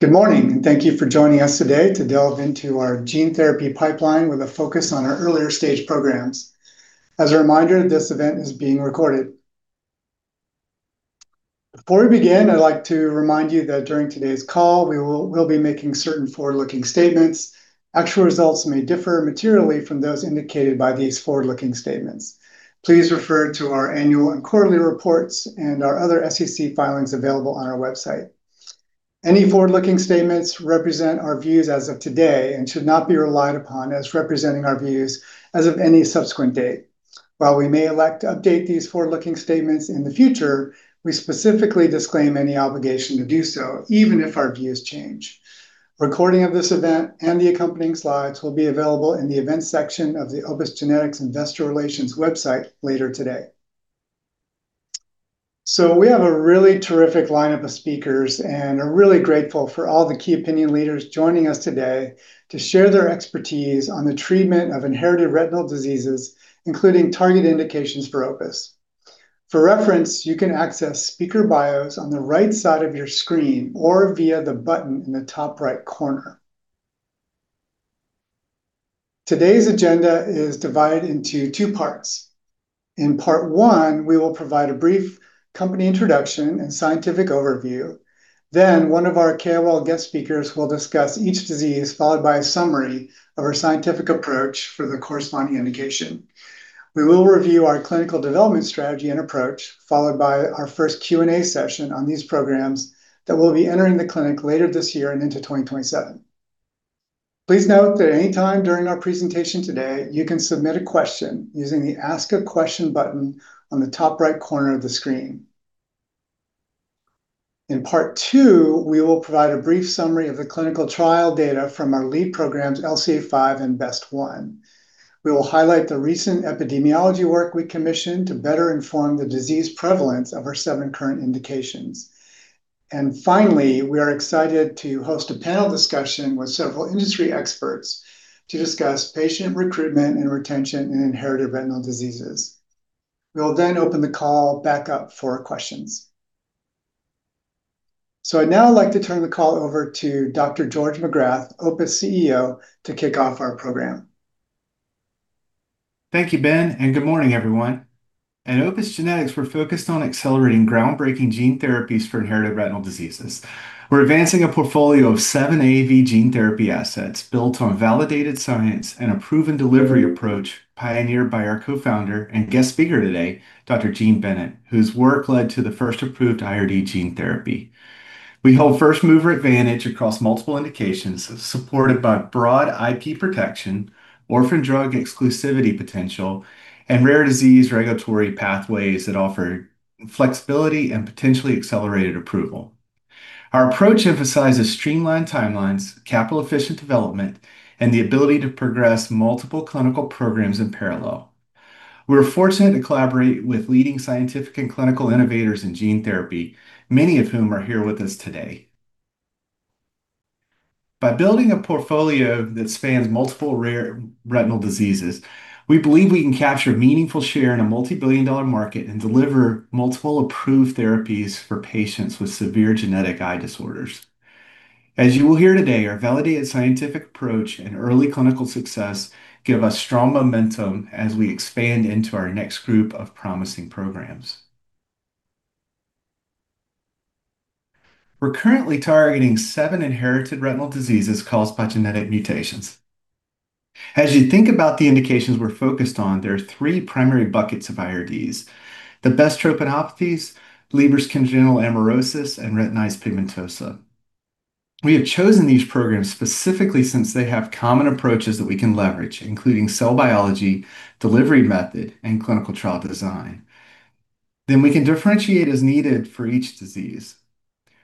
Good morning, thank you for joining us today to delve into our gene therapy pipeline with a focus on our earlier-stage programs. As a reminder, this event is being recorded. Before we begin, I'd like to remind you that during today's call, we'll be making certain forward-looking statements. Actual results may differ materially from those indicated by these forward-looking statements. Please refer to our annual and quarterly reports and our other SEC filings available on our website. Any forward-looking statements represent our views as of today and should not be relied upon as representing our views as of any subsequent date. While we may elect to update these forward-looking statements in the future, we specifically disclaim any obligation to do so, even if our views change. A recording of this event and the accompanying slides will be available in the events section of the Opus Genetics Investor Relations website later today. We have a really terrific lineup of speakers and are really grateful for all the key opinion leaders joining us today to share their expertise on the treatment of inherited retinal diseases, including target indications for Opus. For reference, you can access speaker bios on the right side of your screen or via the button in the top right corner. Today's agenda is divided into two parts. In part one, we will provide a brief company introduction and scientific overview. One of our KOL guest speakers will discuss each disease, followed by a summary of our scientific approach for the corresponding indication. We will review our clinical development strategy and approach, followed by our first Q&A session on these programs that will be entering the clinic later this year and into 2027. Please note that any time during our presentation today, you can submit a question using the Ask a Question button on the top right corner of the screen. In part two, we will provide a brief summary of the clinical trial data from our lead programs, LCA5 and BEST1. We will highlight the recent epidemiology work we commissioned to better inform the disease prevalence of our seven current indications. Finally, we are excited to host a panel discussion with several industry experts to discuss patient recruitment and retention in inherited retinal diseases. We will open the call back up for questions. I'd now like to turn the call over to Dr. George Magrath, Opus CEO, to kick off our program. Thank you, Ben, and good morning, everyone. At Opus Genetics, we're focused on accelerating groundbreaking gene therapies for inherited retinal diseases. We're advancing a portfolio of seven AAV gene therapy assets built on validated science and a proven delivery approach pioneered by our co-founder and guest speaker today, Dr. Jean Bennett, whose work led to the first approved IRD gene therapy. We hold first-mover advantage across multiple indications supported by broad IP protection, orphan drug exclusivity potential, and rare disease regulatory pathways that offer flexibility and potentially accelerated approval. Our approach emphasizes streamlined timelines, capital-efficient development, and the ability to progress multiple clinical programs in parallel. We are fortunate to collaborate with leading scientific and clinical innovators in gene therapy, many of whom are here with us today. By building a portfolio that spans multiple rare retinal diseases, we believe we can capture a meaningful share in a multi-billion-dollar market and deliver multiple approved therapies for patients with severe genetic eye disorders. As you will hear today, our validated scientific approach and early clinical success give us strong momentum as we expand into our next group of promising programs. We're currently targeting seven inherited retinal diseases caused by genetic mutations. As you think about the indications we're focused on, there are three primary buckets of IRDs. The bestrophinopathies, Leber's congenital amaurosis, and retinitis pigmentosa. We have chosen these programs specifically since they have common approaches that we can leverage, including cell biology, delivery method, and clinical trial design. We can differentiate as needed for each disease.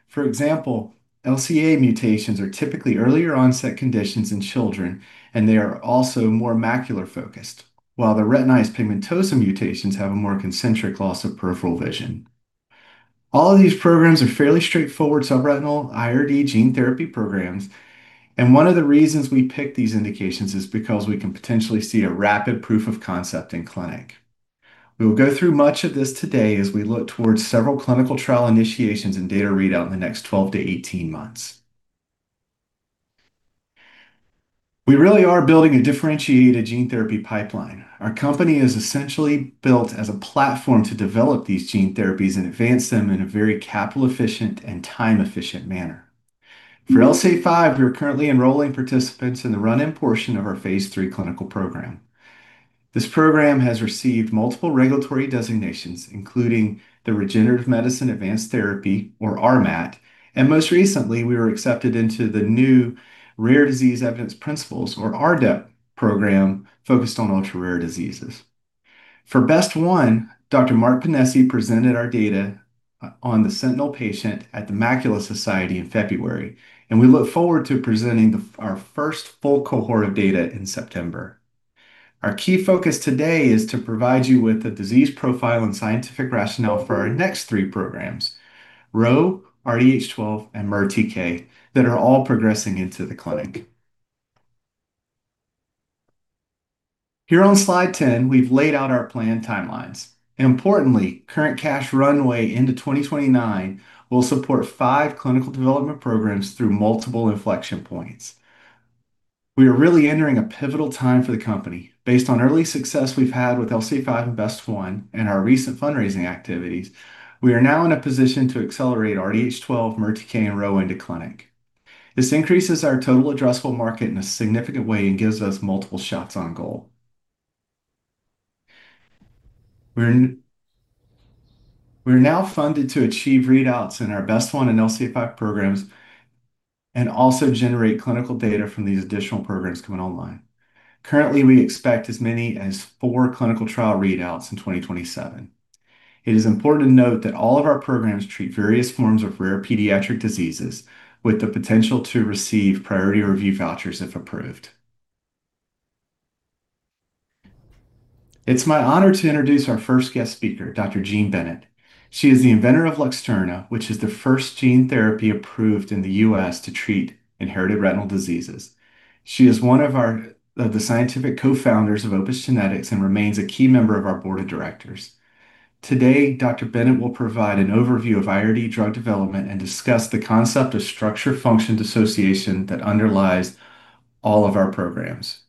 For example, LCA mutations are typically earlier onset conditions in children, and they are also more macular focused. While the retinitis pigmentosa mutations have a more concentric loss of peripheral vision. All of these programs are fairly straightforward subretinal IRD gene therapy programs, and one of the reasons we picked these indications is because we can potentially see a rapid proof of concept in clinic. We will go through much of this today as we look towards several clinical trial initiations and data readout in the next 12-18 months. We really are building a differentiated gene therapy pipeline. Our company is essentially built as a platform to develop these gene therapies and advance them in a very capital-efficient and time-efficient manner. For LCA5, we are currently enrolling participants in the run-in portion of our phase III clinical program. This program has received multiple regulatory designations, including the Regenerative Medicine Advanced Therapy, or RMAT, and most recently, we were accepted into the new Rare Disease Evidence Principles, or RDEP program, focused on ultra-rare diseases. For BEST1, Dr. Mark Pennesi presented our data on the sentinel patient at the Macula Society in February, and we look forward to presenting our first full cohort of data in September. Our key focus today is to provide you with the disease profile and scientific rationale for our next three programs, RHO, RDH12, and MERTK, that are all progressing into the clinic. Here on slide 10, we've laid out our planned timelines. Importantly, current cash runway into 2029 will support five clinical development programs through multiple inflection points. We are really entering a pivotal time for the company. Based on early success we've had with LCA5 and BEST1, and our recent fundraising activities, we are now in a position to accelerate our RDH12, MERTK, and RHO into clinic. This increases our total addressable market in a significant way and gives us multiple shots on goal. We're now funded to achieve readouts in our BEST1 and LCA5 programs, and also generate clinical data from these additional programs coming online. Currently, we expect as many as four clinical trial readouts in 2027. It is important to note that all of our programs treat various forms of rare pediatric diseases with the potential to receive priority review vouchers if approved. It's my honor to introduce our first guest speaker, Dr. Jean Bennett. She is the inventor of LUXTURNA, which is the first gene therapy approved in the U.S. to treat inherited retinal diseases. She is one of the scientific co-founders of Opus Genetics, and remains a key member of our board of directors. Today, Dr. Bennett will provide an overview of IRD drug development and discuss the concept of structure function dissociation that underlies all of our programs.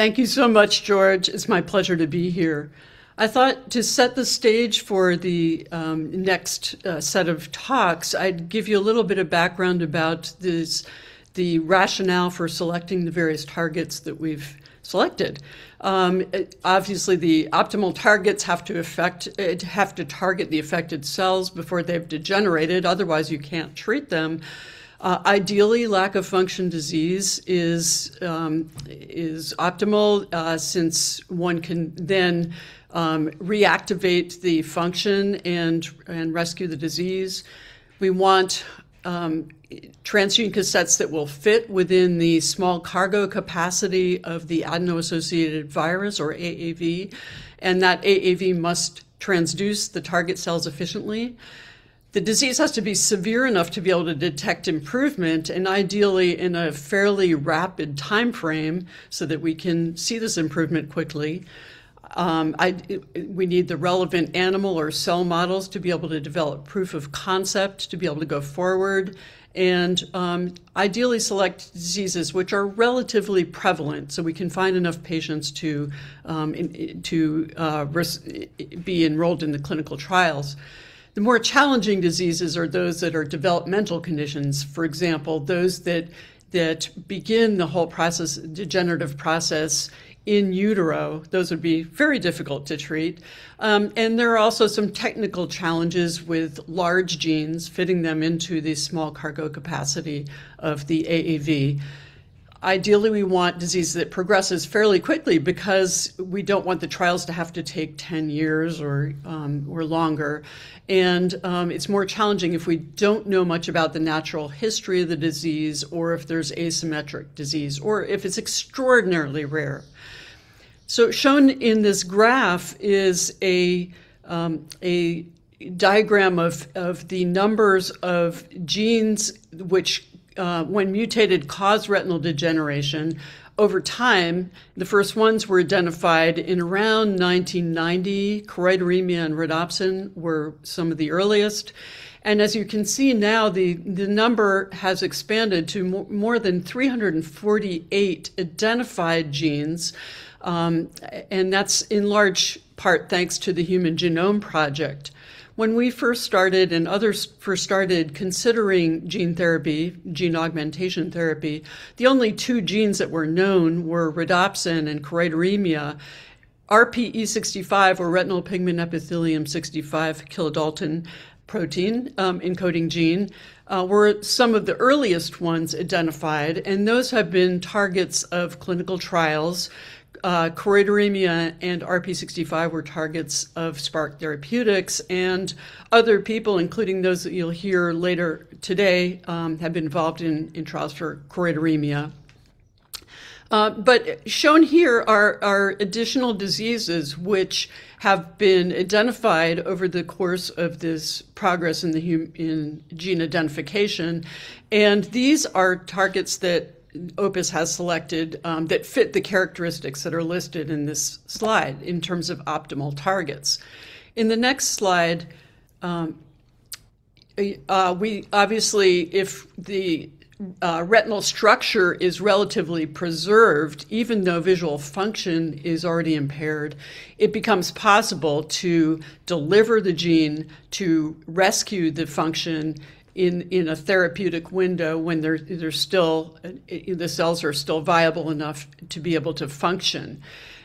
Thank you so much, George. It's my pleasure to be here. I thought to set the stage for the next set of talks, I'd give you a little bit of background about the rationale for selecting the various targets that we've selected. Obviously, the optimal targets have to target the affected cells before they've degenerated, otherwise you can't treat them. Ideally, lack of function disease is optimal, since one can then reactivate the function and rescue the disease. We want transgene cassettes that will fit within the small cargo capacity of the adeno-associated virus, or AAV, and that AAV must transduce the target cells efficiently. The disease has to be severe enough to be able to detect improvement, and ideally in a fairly rapid timeframe so that we can see this improvement quickly. We need the relevant animal or cell models to be able to develop proof of concept to be able to go forward. Ideally select diseases which are relatively prevalent so we can find enough patients to be enrolled in the clinical trials. The more challenging diseases are those that are developmental conditions, for example, those that begin the whole degenerative process in utero. Those would be very difficult to treat. There are also some technical challenges with large genes, fitting them into the small cargo capacity of the AAV. Ideally, we want disease that progresses fairly quickly because we don't want the trials to have to take 10 years or longer. It's more challenging if we don't know much about the natural history of the disease or if there's asymmetric disease, or if it's extraordinarily rare. Shown in this graph is a diagram of the numbers of genes which, when mutated, cause retinal degeneration. Over time, the first ones were identified in around 1990. choroideremia and rhodopsin were some of the earliest. As you can see now, the number has expanded to more than 348 identified genes, and that's in large part thanks to the Human Genome Project. When we first started, and others first started considering gene therapy, gene augmentation therapy, the only two genes that were known were rhodopsin and choroideremia. RPE65, or retinal pigment epithelium 65 kilodalton protein encoding gene, were some of the earliest ones identified, and those have been targets of clinical trials. choroideremia and RPE65 were targets of Spark Therapeutics, and other people, including those that you'll hear later today, have been involved in trials for choroideremia. Shown here are additional diseases which have been identified over the course of this progress in gene identification, and these are targets that Opus has selected that fit the characteristics that are listed in this slide in terms of optimal targets. In the next slide, obviously, if the retinal structure is relatively preserved, even though visual function is already impaired, it becomes possible to deliver the gene to rescue the function in a therapeutic window when the cells are still viable enough to be able to function.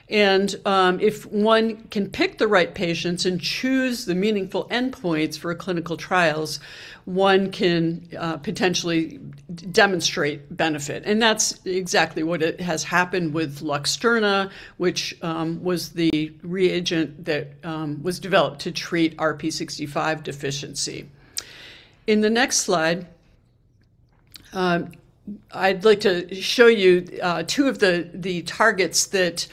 If one can pick the right patients and choose the meaningful endpoints for clinical trials, one can potentially demonstrate benefit, and that's exactly what has happened with LUXTURNA, which was the reagent that was developed to treat RPE65 deficiency. In the next slide I'd like to show you two of the targets that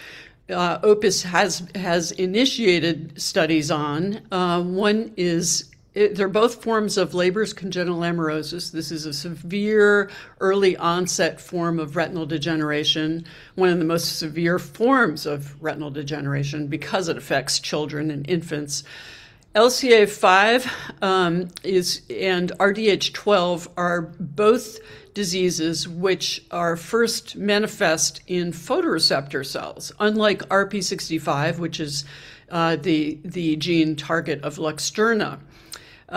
Opus has initiated studies on. One is, they're both forms of Leber's congenital amaurosis. This is a severe early onset form of retinal degeneration, one of the most severe forms of retinal degeneration because it affects children and infants. LCA5 and RDH12 are both diseases which are first manifest in photoreceptor cells, unlike RPE65, which is the gene target of LUXTURNA. These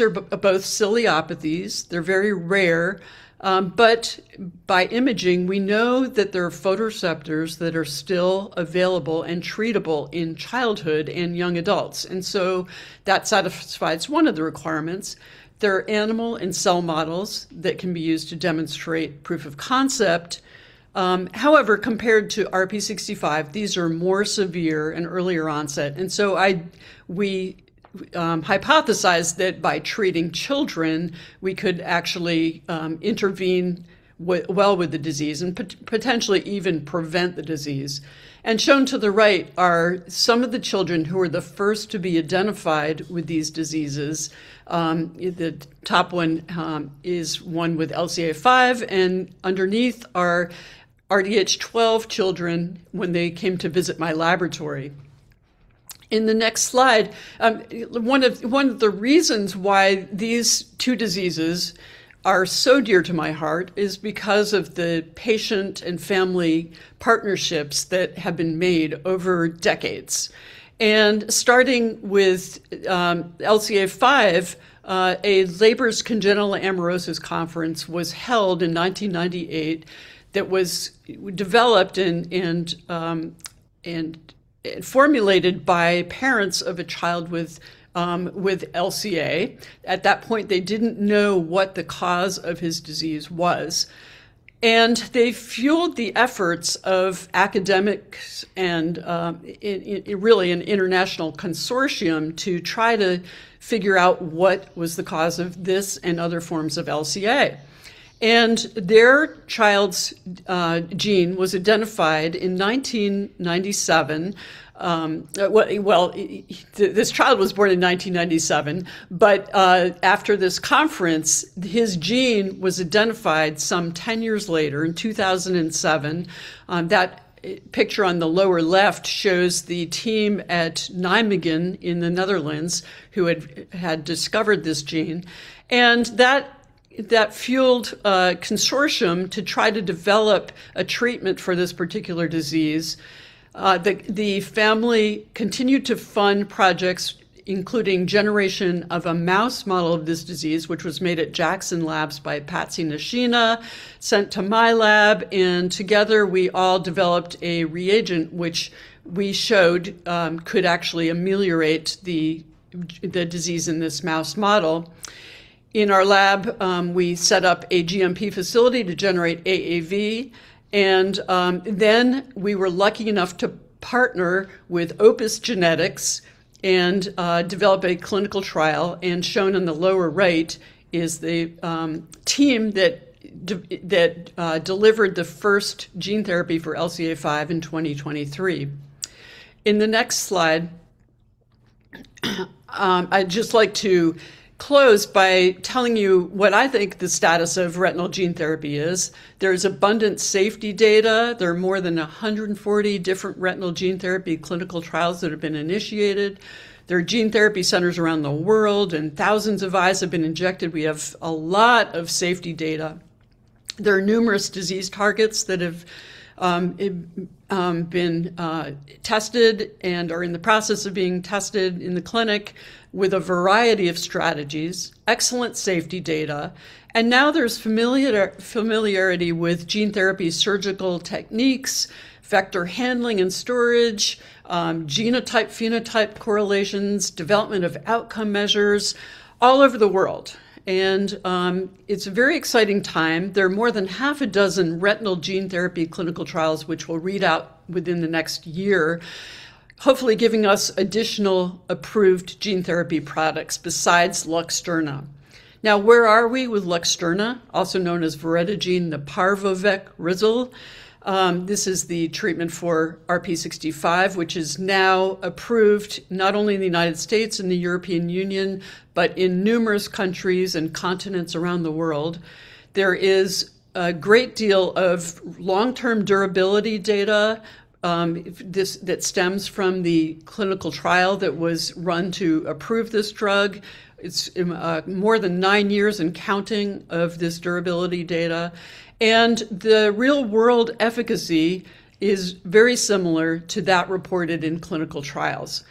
are both ciliopathies. They're very rare. By imaging, we know that there are photoreceptors that are still available and treatable in childhood and young adults. So that satisfies one of the requirements. There are animal and cell models that can be used to demonstrate proof of concept. However, compared to RPE65, these are more severe and earlier onset. So we hypothesized that by treating children, we could actually intervene well with the disease and potentially even prevent the disease. Shown to the right are some of the children who were the first to be identified with these diseases. The top one is one with LCA5, and underneath are RDH12 children when they came to visit my laboratory. In the next slide, one of the reasons why these two diseases are so dear to my heart is because of the patient and family partnerships that have been made over decades. Starting with LCA5, a Leber's congenital amaurosis conference was held in 1998 that was developed and formulated by parents of a child with LCA. At that point, they didn't know what the cause of his disease was, they fueled the efforts of academics and really an international consortium to try to figure out what was the cause of this and other forms of LCA. Their child's gene was identified in 1997. Well, this child was born in 1997, but after this conference, his gene was identified some 10 years later in 2007. That picture on the lower left shows the team at Nijmegen in the Netherlands who had discovered this gene. That fueled a consortium to try to develop a treatment for this particular disease. The family continued to fund projects, including generation of a mouse model of this disease, which was made at Jackson Labs by Patsy Nishina, sent to my lab. Together we all developed a reagent which we showed could actually ameliorate the disease in this mouse model. In our lab, we set up a GMP facility to generate AAV. Then we were lucky enough to partner with Opus Genetics and develop a clinical trial. Shown on the lower right is the team that delivered the first gene therapy for LCA5 in 2023. In the next slide, I'd just like to close by telling you what I think the status of retinal gene therapy is. There's abundant safety data. There are more than 140 different retinal gene therapy clinical trials that have been initiated. There are gene therapy centers around the world. Thousands of eyes have been injected. We have a lot of safety data. There are numerous disease targets that have been tested and are in the process of being tested in the clinic with a variety of strategies, excellent safety data. Now there's familiarity with gene therapy surgical techniques, vector handling and storage, genotype/phenotype correlations, development of outcome measures all over the world. It's a very exciting time. There are more than half a dozen retinal gene therapy clinical trials which will read out within the next year, hopefully giving us additional approved gene therapy products besides LUXTURNA. Now, where are we with LUXTURNA, also known as voretigene neparvovec-rzyl? This is the treatment for RPE65, which is now approved not only in the United States and the European Union, but in numerous countries and continents around the world. There is a great deal of long-term durability data that stems from the clinical trial that was run to approve this drug. It's more than nine years and counting of this durability data. The real-world efficacy is very similar to that reported in clinical trials.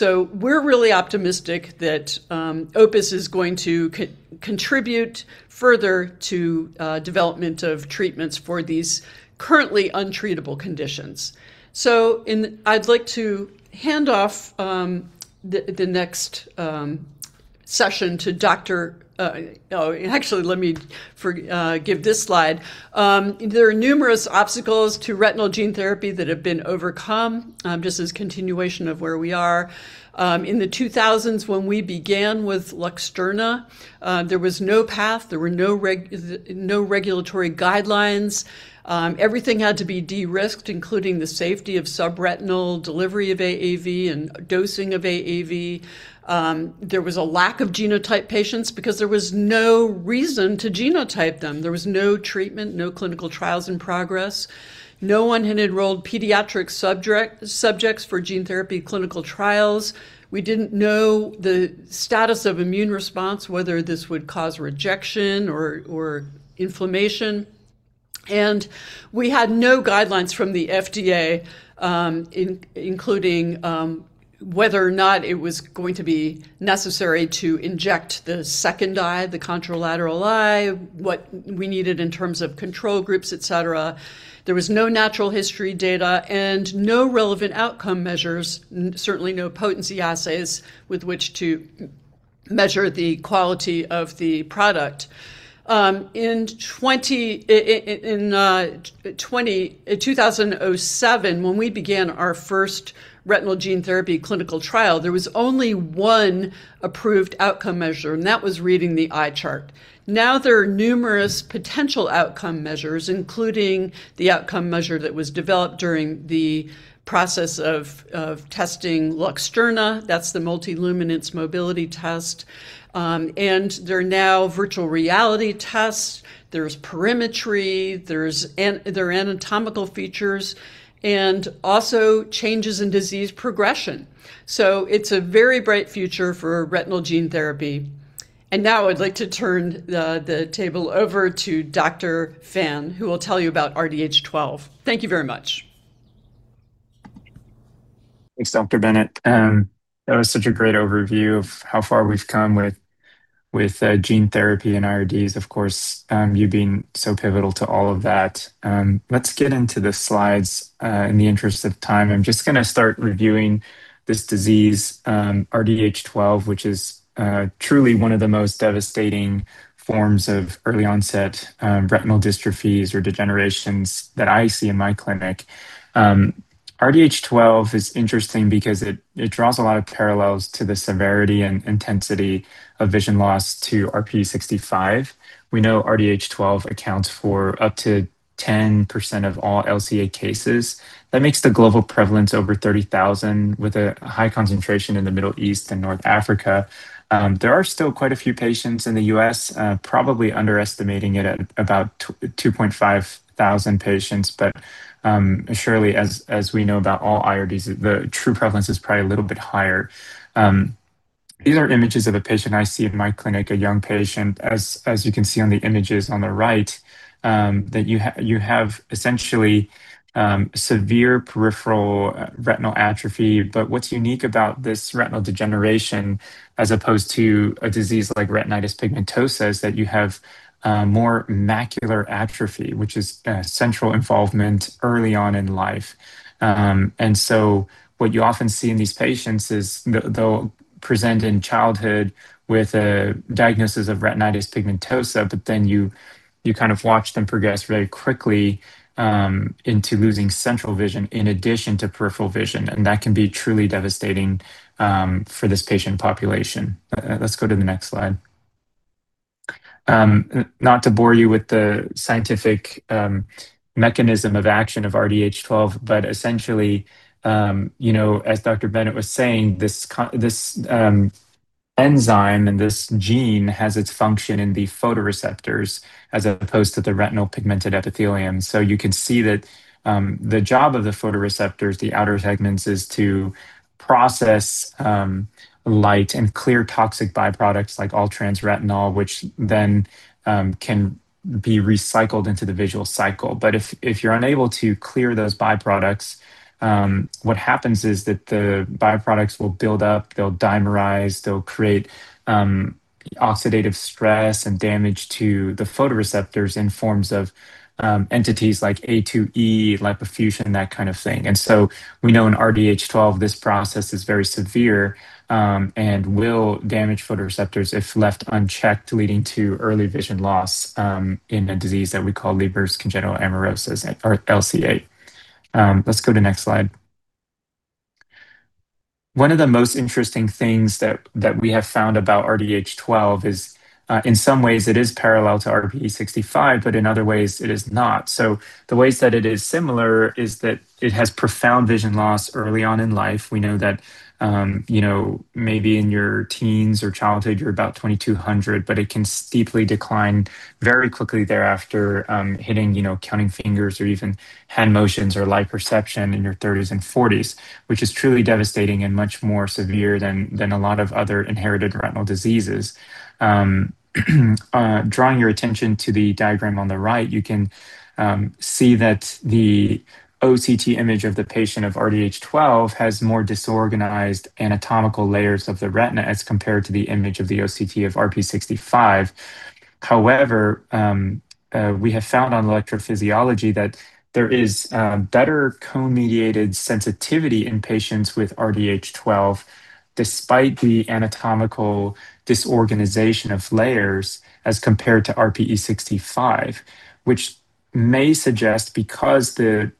We're really optimistic that Opus is going to contribute further to development of treatments for these currently untreatable conditions. I'd like to hand off the next session. Actually, let me give this slide. There are numerous obstacles to retinal gene therapy that have been overcome, just as continuation of where we are. In the 2000s when we began with LUXTURNA, there was no path, there were no regulatory guidelines. Everything had to be de-risked, including the safety of subretinal delivery of AAV and dosing of AAV. There was a lack of genotype patients because there was no reason to genotype them. There was no treatment, no clinical trials in progress. No one had enrolled pediatric subjects for gene therapy clinical trials. We didn't know the status of immune response, whether this would cause rejection or inflammation. We had no guidelines from the FDA, including whether or not it was going to be necessary to inject the second eye, the contralateral eye, what we needed in terms of control groups, et cetera. There was no natural history data and no relevant outcome measures, certainly no potency assays with which to measure the quality of the product. In 2007, when we began our first retinal gene therapy clinical trial, there was only one approved outcome measure, and that was reading the eye chart. Now there are numerous potential outcome measures, including the outcome measure that was developed during the process of testing LUXTURNA. That's the multi-luminance mobility test. There are now virtual reality tests, there's perimetry, there are anatomical features, and also changes in disease progression. It's a very bright future for retinal gene therapy. Now I'd like to turn the table over to Dr. Fan, who will tell you about RDH12. Thank you very much. Thanks, Dr. Bennett. That was such a great overview of how far we've come with gene therapy and IRDs. Of course, you being so pivotal to all of that. Let's get into the slides. In the interest of time, I'm just going to start reviewing this disease, RDH12, which is truly one of the most devastating forms of early onset retinal dystrophies or degenerations that I see in my clinic. RDH12 is interesting because it draws a lot of parallels to the severity and intensity of vision loss to RPE65. We know RDH12 accounts for up to 10% of all LCA cases. That makes the global prevalence over 30,000, with a high concentration in the Middle East and North Africa. There are still quite a few patients in the U.S., probably underestimating it at about 2,500 patients. Surely, as we know about all IRDs, the true prevalence is probably a little bit higher. These are images of a patient I see in my clinic, a young patient. As you can see on the images on the right, that you have essentially severe peripheral retinal atrophy. What's unique about this retinal degeneration as opposed to a disease like retinitis pigmentosa, is that you have more macular atrophy, which is central involvement early on in life. What you often see in these patients is they'll present in childhood with a diagnosis of retinitis pigmentosa, you kind of watch them progress very quickly into losing central vision in addition to peripheral vision, and that can be truly devastating for this patient population. Let's go to the next slide. Not to bore you with the scientific mechanism of action of RDH12, essentially, as Dr. Bennett was saying, this enzyme and this gene has its function in the photoreceptors as opposed to the retinal pigmented epithelium. You can see that the job of the photoreceptors, the outer segments, is to process light and clear toxic byproducts like all-trans-retinal, which then can be recycled into the visual cycle. If you're unable to clear those byproducts, what happens is that the byproducts will build up, they'll dimerize, they'll create oxidative stress and damage to the photoreceptors in forms of entities like A2E, lipofuscin, that kind of thing. We know in RDH12, this process is very severe and will damage photoreceptors if left unchecked, leading to early vision loss in a disease that we call Leber's congenital amaurosis, or LCA. Let's go to next slide. The ways that it is similar is that it has profound vision loss early on in life. We know that maybe in your teens or childhood, you're about 20/200, but it can steeply decline very quickly thereafter, hitting counting fingers or even hand motions or light perception in your 30s and 40s. Which is truly devastating and much more severe than a lot of other inherited retinal diseases. Drawing your attention to the diagram on the right, you can see that the OCT image of the patient of RDH12 has more disorganized anatomical layers of the retina as compared to the image of the OCT of RPE65. However, we have found on electrophysiology that there is better cone-mediated sensitivity in patients with RDH12 despite the anatomical disorganization of layers as compared to RPE65, which may suggest because the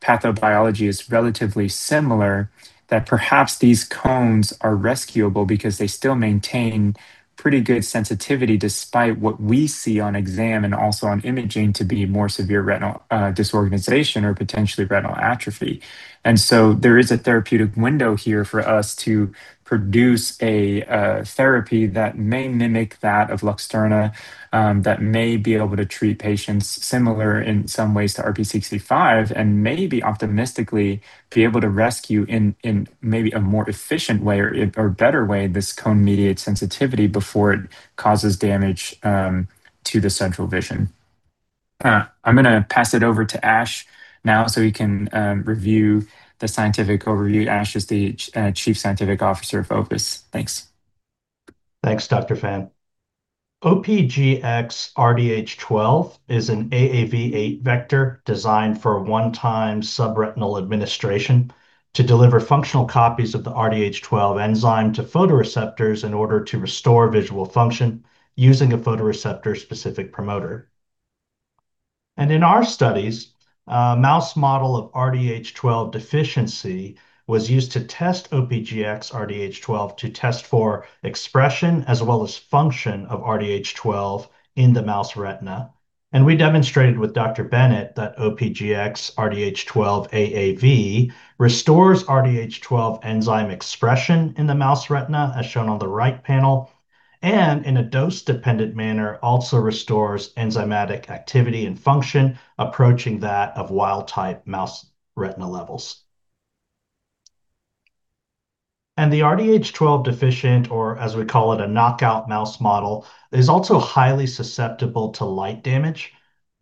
pathobiology is relatively similar, that perhaps these cones are rescuable because they still maintain pretty good sensitivity despite what we see on exam and also on imaging to be more severe retinal disorganization or potentially retinal atrophy. There is a therapeutic window here for us to produce a therapy that may mimic that of LUXTURNA, that may be able to treat patients similar in some ways to RPE65, and maybe optimistically be able to rescue in maybe a more efficient way or better way, this cone-mediated sensitivity before it causes damage to the central vision. I'm going to pass it over to Ash now so he can review the scientific overview. Ash is the Chief Scientific Officer of Opus. Thanks. Thanks, Dr. Fan. OPGx-RDH12 is an AAV8 vector designed for one-time subretinal administration to deliver functional copies of the RDH12 enzyme to photoreceptors in order to restore visual function using a photoreceptor-specific promoter. In our studies, a mouse model of RDH12 deficiency was used to test OPGx-RDH12 to test for expression as well as function of RDH12 in the mouse retina. We demonstrated with Dr. Bennett that OPGx-RDH12 AAV restores RDH12 enzyme expression in the mouse retina, as shown on the right panel, and in a dose-dependent manner, also restores enzymatic activity and function approaching that of wild type mouse retina levels. The RDH12 deficient, or as we call it, a knockout mouse model, is also highly susceptible to light damage,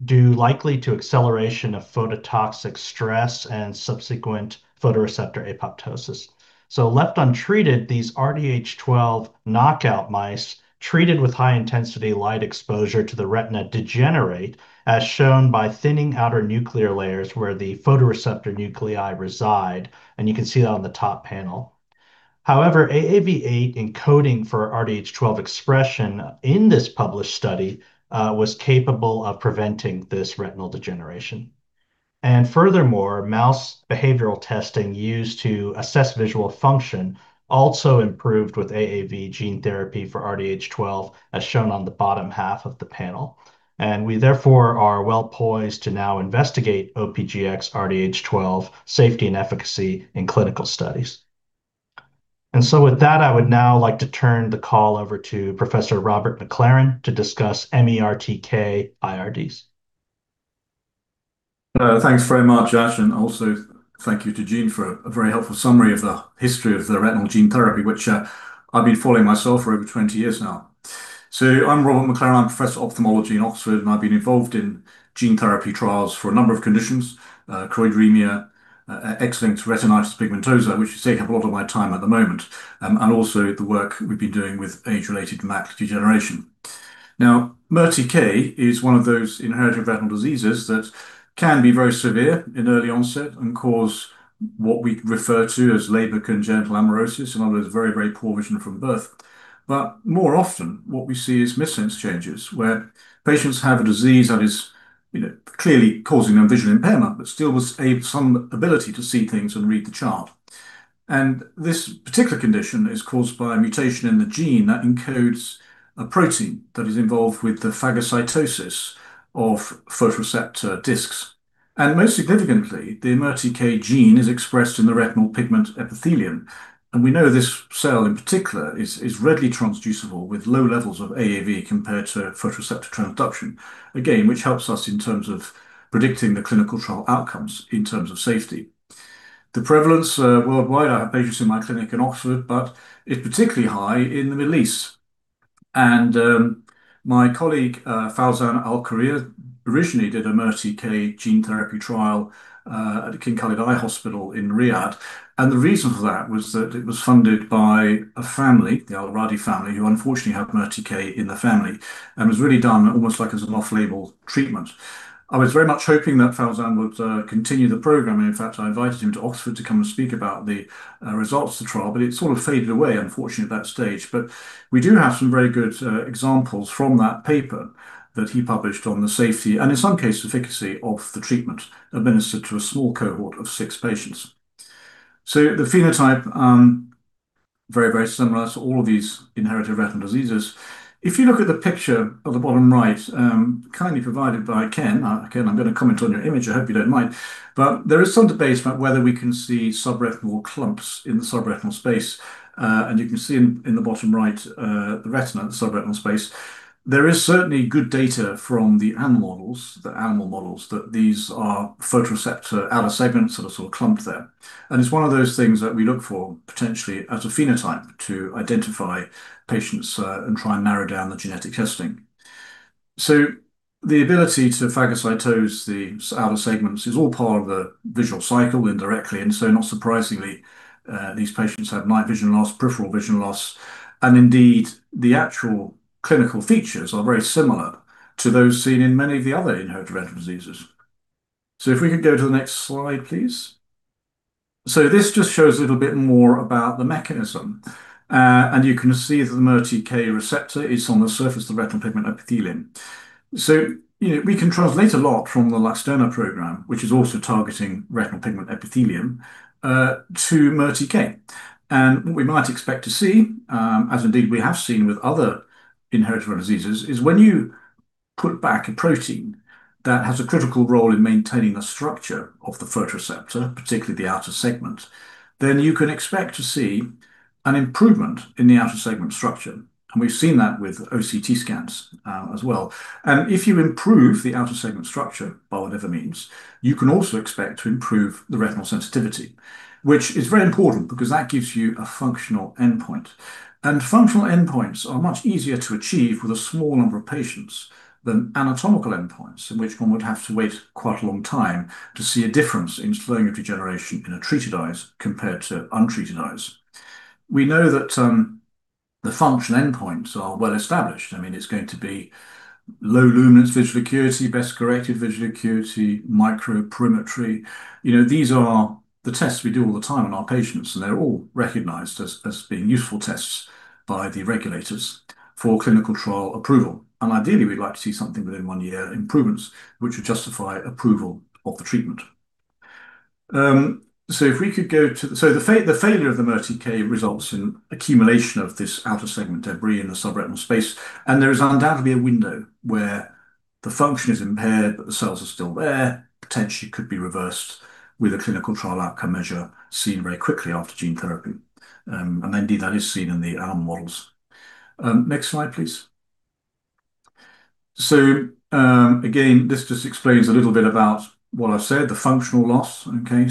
likely to acceleration of phototoxic stress and subsequent photoreceptor apoptosis. Left untreated, these RDH12 knockout mice treated with high intensity light exposure to the retina degenerate, as shown by thinning outer nuclear layers where the photoreceptor nuclei reside, and you can see that on the top panel. However, AAV8 encoding for RDH12 expression in this published study was capable of preventing this retinal degeneration. Furthermore, mouse behavioral testing used to assess visual function also improved with AAV gene therapy for RDH12, as shown on the bottom half of the panel. We therefore are well poised to now investigate OPGx-RDH12 safety and efficacy in clinical studies. With that, I would now like to turn the call over to Professor Robert MacLaren to discuss MERTK IRDs. Thanks very much, Ash, and also thank you to Jean for a very helpful summary of the history of the retinal gene therapy, which I've been following myself for over 20 years now. I'm Robert MacLaren, I'm a professor of ophthalmology in Oxford, and I've been involved in gene therapy trials for a number of conditions, choroideremia, X-linked retinitis pigmentosa, which take up a lot of my time at the moment, and also the work we've been doing with age-related macular degeneration. MERTK is one of those inherited retinal diseases that can be very severe in early onset and cause what we refer to as Leber congenital amaurosis, in other words, very poor vision from birth. More often, what we see is missense changes where patients have a disease that is clearly causing them visual impairment, but still with some ability to see things and read the chart. This particular condition is caused by a mutation in the gene that encodes a protein that is involved with the phagocytosis of photoreceptor discs. Most significantly, the MERTK gene is expressed in the retinal pigment epithelium. We know this cell in particular is readily transducible with low levels of AAV compared to photoreceptor transduction, again, which helps us in terms of predicting the clinical trial outcomes in terms of safety. The prevalence worldwide, I have patients in my clinic in Oxford, but it's particularly high in the Middle East. My colleague, Fowzan Alkuraya, originally did a MERTK gene therapy trial at King Khaled Eye Specialist Hospital in Riyadh. The reason for that was that it was funded by a family, the Al-Radi family, who unfortunately have MERTK in the family, and was really done almost like as an off-label treatment. I was very much hoping that Fowzan would continue the program. In fact, I invited him to Oxford to come and speak about the results of the trial, it sort of faded away, unfortunately, at that stage. We do have some very good examples from that paper that he published on the safety, and in some cases, efficacy of the treatment administered to a small cohort of six patients. The phenotype, very similar to all of these inherited retinal diseases. If you look at the picture at the bottom right, kindly provided by Ken. Ken, I'm going to comment on your image. I hope you don't mind. There is some debate about whether we can see subretinal clumps in the subretinal space. You can see in the bottom right the retina, the subretinal space. There is certainly good data from the animal models that these are photoreceptor outer segments that are sort of clumped there. It's one of those things that we look for potentially as a phenotype to identify patients and try and narrow down the genetic testing. The ability to phagocytose the outer segments is all part of the visual cycle indirectly. Not surprisingly, these patients have night vision loss, peripheral vision loss. Indeed, the actual clinical features are very similar to those seen in many of the other inherited retinal diseases. If we could go to the next slide, please. This just shows a little bit more about the mechanism. You can see that the MERTK receptor is on the surface of the retinal pigment epithelium. We can translate a lot from the LUXTURNA program, which is also targeting retinal pigment epithelium, to MERTK. What we might expect to see, as indeed we have seen with other inherited retinal diseases, is when you put back a protein that has a critical role in maintaining the structure of the photoreceptor, particularly the outer segment, then you can expect to see an improvement in the outer segment structure. We've seen that with OCT scans as well. If you improve the outer segment structure by whatever means, you can also expect to improve the retinal sensitivity, which is very important because that gives you a functional endpoint Functional endpoints are much easier to achieve with a small number of patients than anatomical endpoints, in which one would have to wait quite a long time to see a difference in slowing of degeneration in a treated eyes compared to untreated eyes. We know that the function endpoints are well established. It's going to be low luminance visual acuity, best-corrected visual acuity, microperimetry. These are the tests we do all the time on our patients, and they're all recognized as being useful tests by the regulators for clinical trial approval. Ideally, we'd like to see something within one year improvements, which would justify approval of the treatment. The failure of the MERTK results in accumulation of this outer segment debris in the subretinal space, and there is undoubtedly a window where the function is impaired, but the cells are still there, potentially could be reversed with a clinical trial outcome measure seen very quickly after gene therapy. Indeed, that is seen in the animal models. Next slide, please. Again, this just explains a little bit about what I've said, the functional loss. Okay.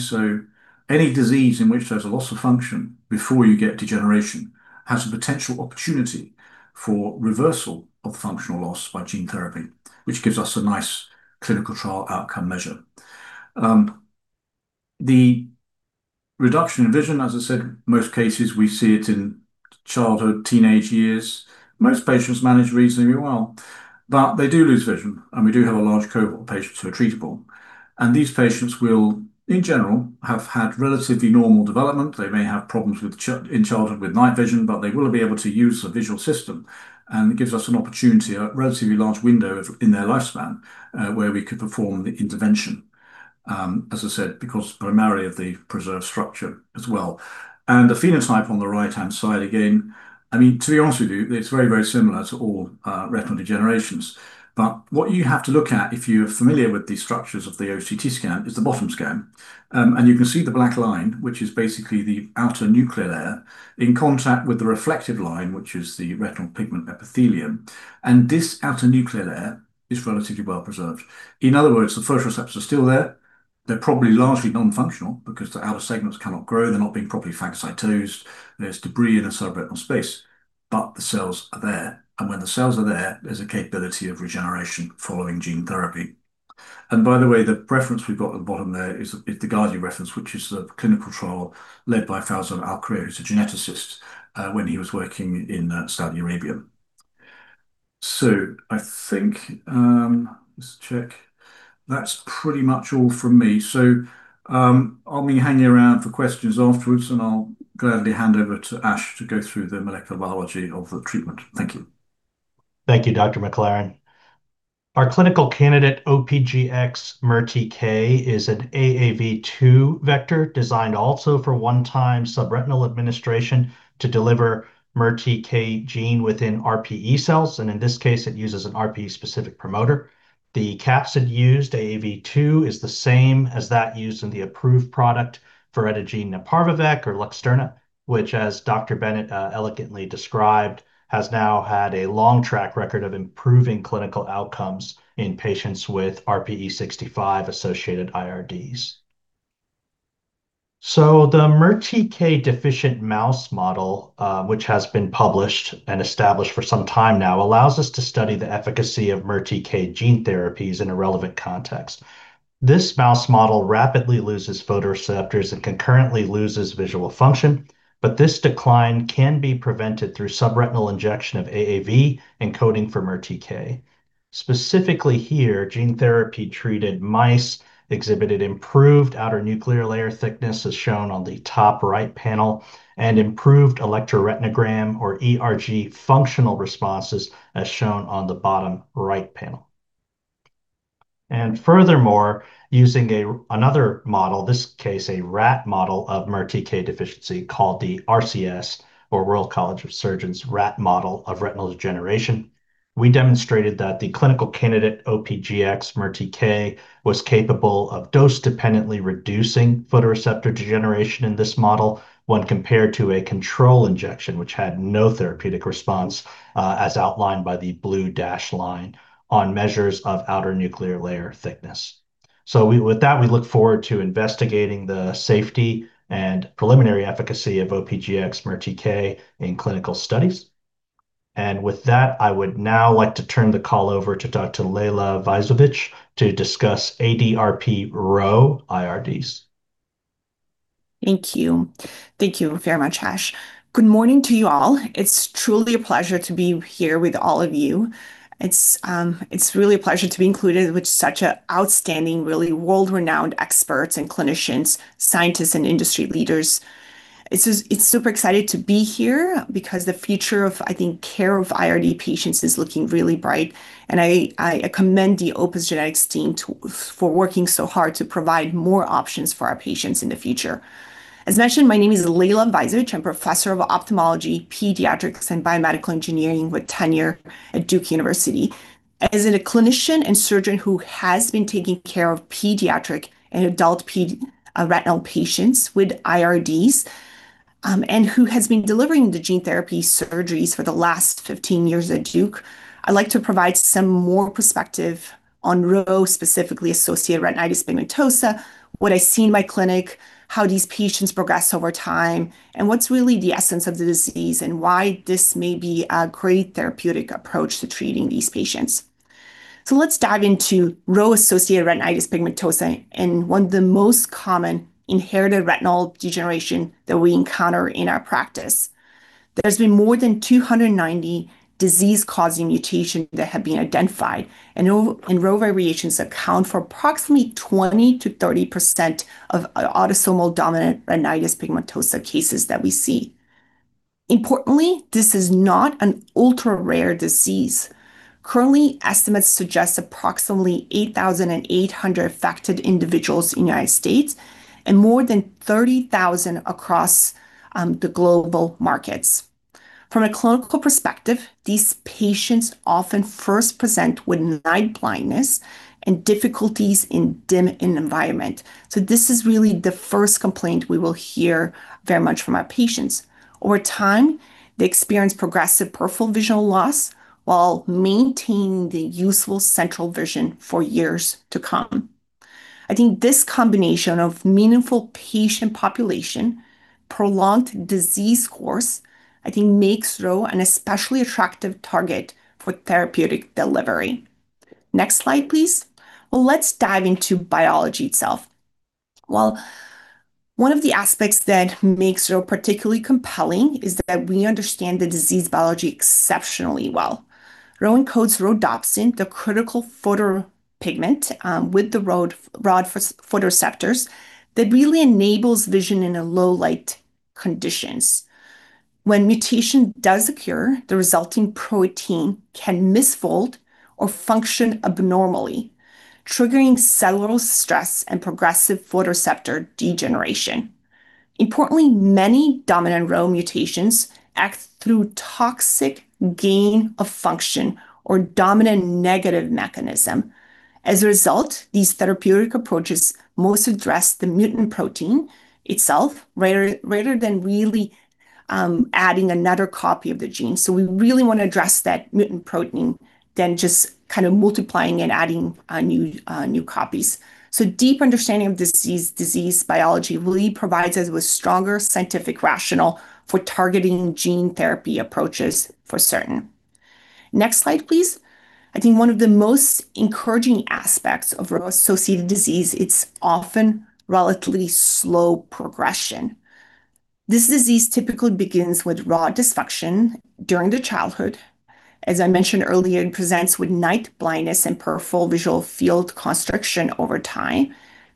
Any disease in which there's a loss of function before you get degeneration has a potential opportunity for reversal of functional loss by gene therapy, which gives us a nice clinical trial outcome measure. The reduction in vision, as I said, most cases we see it in childhood, teenage years. Most patients manage reasonably well, but they do lose vision. We do have a large cohort of patients who are treatable. These patients will, in general, have had relatively normal development. They may have problems in childhood with night vision, but they will be able to use the visual system, and it gives us an opportunity, a relatively large window in their lifespan, where we could perform the intervention. As I said, because primarily of the preserved structure as well. The phenotype on the right-hand side, again, to be honest with you, it's very, very similar to all retinal degenerations. What you have to look at, if you are familiar with the structures of the OCT scan, is the bottom scan. You can see the black line, which is basically the outer nuclear layer in contact with the reflective line, which is the retinal pigment epithelium. This outer nuclear layer is relatively well preserved. In other words, the photoreceptors are still there. They're probably largely non-functional because the outer segments cannot grow. They're not being properly phagocytosed. There's debris in the subretinal space. The cells are there. When the cells are there's a capability of regeneration following gene therapy. By the way, the reference we've got at the bottom there is the Gargi reference, which is the clinical trial led by Faisal Alkherif, who's a geneticist, when he was working in Saudi Arabia. I think, let's check. That's pretty much all from me. I'll be hanging around for questions afterwards, and I'll gladly hand over to Ash to go through the molecular biology of the treatment. Thank you. Thank you, Dr. MacLaren. Our clinical candidate, OPGx-MERTK, is an AAV2 vector designed also for one-time subretinal administration to deliver MERTK gene within RPE cells, and in this case it uses an RPE specific promoter. The capsid used, AAV2, is the same as that used in the approved product voretigene neparvovec or LUXTURNA, which as Dr. Bennett eloquently described, has now had a long track record of improving clinical outcomes in patients with RPE65 associated IRDs. The MERTK deficient mouse model, which has been published and established for some time now, allows us to study the efficacy of MERTK gene therapies in a relevant context. This mouse model rapidly loses photoreceptors and concurrently loses visual function. This decline can be prevented through subretinal injection of AAV encoding for MERTK. Specifically here, gene therapy treated mice exhibited improved outer nuclear layer thickness, as shown on the top right panel, and improved electroretinogram or ERG functional responses, as shown on the bottom right panel. Furthermore, using another model, this case a rat model of MERTK deficiency called the RCS or Royal College of Surgeons rat model of retinal degeneration, we demonstrated that the clinical candidate, OPGx-MERTK, was capable of dose dependently reducing photoreceptor degeneration in this model when compared to a control injection, which had no therapeutic response, as outlined by the blue dashed line on measures of outer nuclear layer thickness. With that, we look forward to investigating the safety and preliminary efficacy of OPGx-MERTK in clinical studies. With that, I would now like to turn the call over to Dr. Lejla Vajzovic to discuss ADRP RHO IRDs. Thank you. Thank you very much, Ash. Good morning to you all. It's truly a pleasure to be here with all of you. It's really a pleasure to be included with such a outstanding, really world-renowned experts and clinicians, scientists, and industry leaders. It's super exciting to be here because the future of, I think, care of IRD patients is looking really bright, and I commend the Opus Genetics team for working so hard to provide more options for our patients in the future. As mentioned, my name is Lejla Vajzovic. I'm professor of Ophthalmology, Pediatrics, and Biomedical Engineering with tenure at Duke University. As a clinician and surgeon who has been taking care of pediatric and adult retinal patients with IRDs, and who has been delivering the gene therapy surgeries for the last 15 years at Duke, I'd like to provide some more perspective on RHO, specifically associated retinitis pigmentosa, what I see in my clinic, how these patients progress over time, and what's really the essence of the disease, and why this may be a great therapeutic approach to treating these patients. Let's dive into RHO-associated retinitis pigmentosa, and one of the most common inherited retinal degeneration that we encounter in our practice. There's been more than 290 disease-causing mutations that have been identified. RHO variations account for approximately 20%-30% of autosomal dominant retinitis pigmentosa cases that we see. Importantly, this is not an ultra-rare disease. Currently, estimates suggest approximately 8,800 affected individuals in the U.S., and more than 30,000 across the global markets. From a clinical perspective, these patients often first present with night blindness and difficulties in dim environment. This is really the first complaint we will hear very much from our patients. Over time, they experience progressive peripheral vision loss while maintaining the useful central vision for years to come. I think this combination of meaningful patient population, prolonged disease course, I think makes RHO an especially attractive target for therapeutic delivery. Next slide, please. Let's dive into biology itself. One of the aspects that makes RHO particularly compelling is that we understand the disease biology exceptionally well. RHO encodes rhodopsin, the critical photopigment with the rod photoreceptors that really enables vision in a low light conditions. When mutation does occur, the resulting protein can misfold or function abnormally, triggering cellular stress and progressive photoreceptor degeneration. Importantly, many dominant RHO mutations act through toxic gain of function or dominant negative mechanism. As a result, these therapeutic approaches most address the mutant protein itself rather than really adding another copy of the gene. We really want to address that mutant protein than just kind of multiplying and adding new copies. Deep understanding of disease biology really provides us with stronger scientific rationale for targeting gene therapy approaches for certain. Next slide, please. One of the most encouraging aspects of RHO-associated disease, it's often relatively slow progression. This disease typically begins with rod dysfunction during the childhood. As I mentioned earlier, it presents with night blindness and peripheral visual field constriction over time.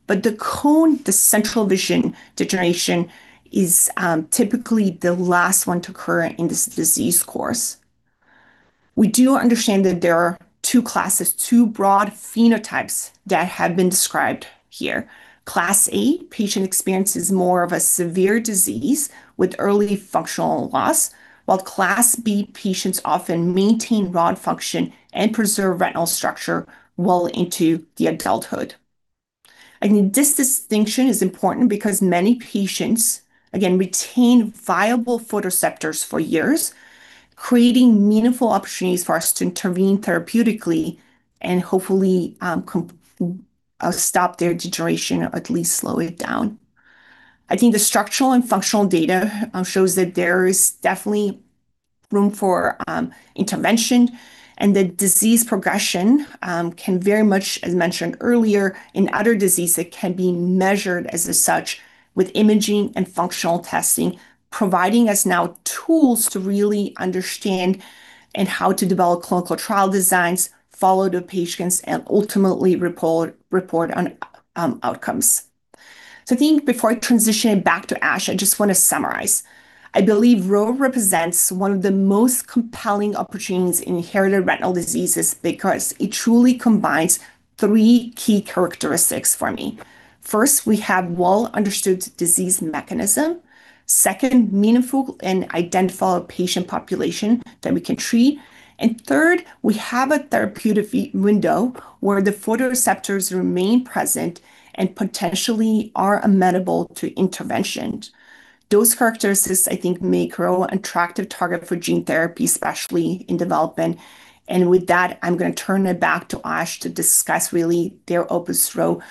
The cone, the central vision degeneration, is typically the last one to occur in this disease course. We do understand that there are 2 classes, two broad phenotypes that have been described here. Class A patient experiences more of a severe disease with early functional loss, while Class B patients often maintain rod function and preserve retinal structure well into the adulthood. This distinction is important because many patients, again, retain viable photoreceptors for years, creating meaningful opportunities for us to intervene therapeutically and hopefully stop their deterioration or at least slow it down. The structural and functional data shows that there is definitely room for intervention. The disease progression can very much, as mentioned earlier, in other disease, it can be measured as such with imaging and functional testing, providing us now tools to really understand and how to develop clinical trial designs, follow the patients, and ultimately report on outcomes. Before I transition it back to Ash, I just want to summarize. I believe RHO represents one of the most compelling opportunities in Inherited Retinal Diseases because it truly combines three key characteristics for me. First, we have well-understood disease mechanism. Second, meaningful and identifiable patient population that we can treat. Third, we have a therapeutic window where the photoreceptors remain present and potentially are amenable to interventions. Those characteristics, make RHO an attractive target for gene therapy, especially in development. With that, I'm going to turn it back to Ash to discuss really their Opus RHO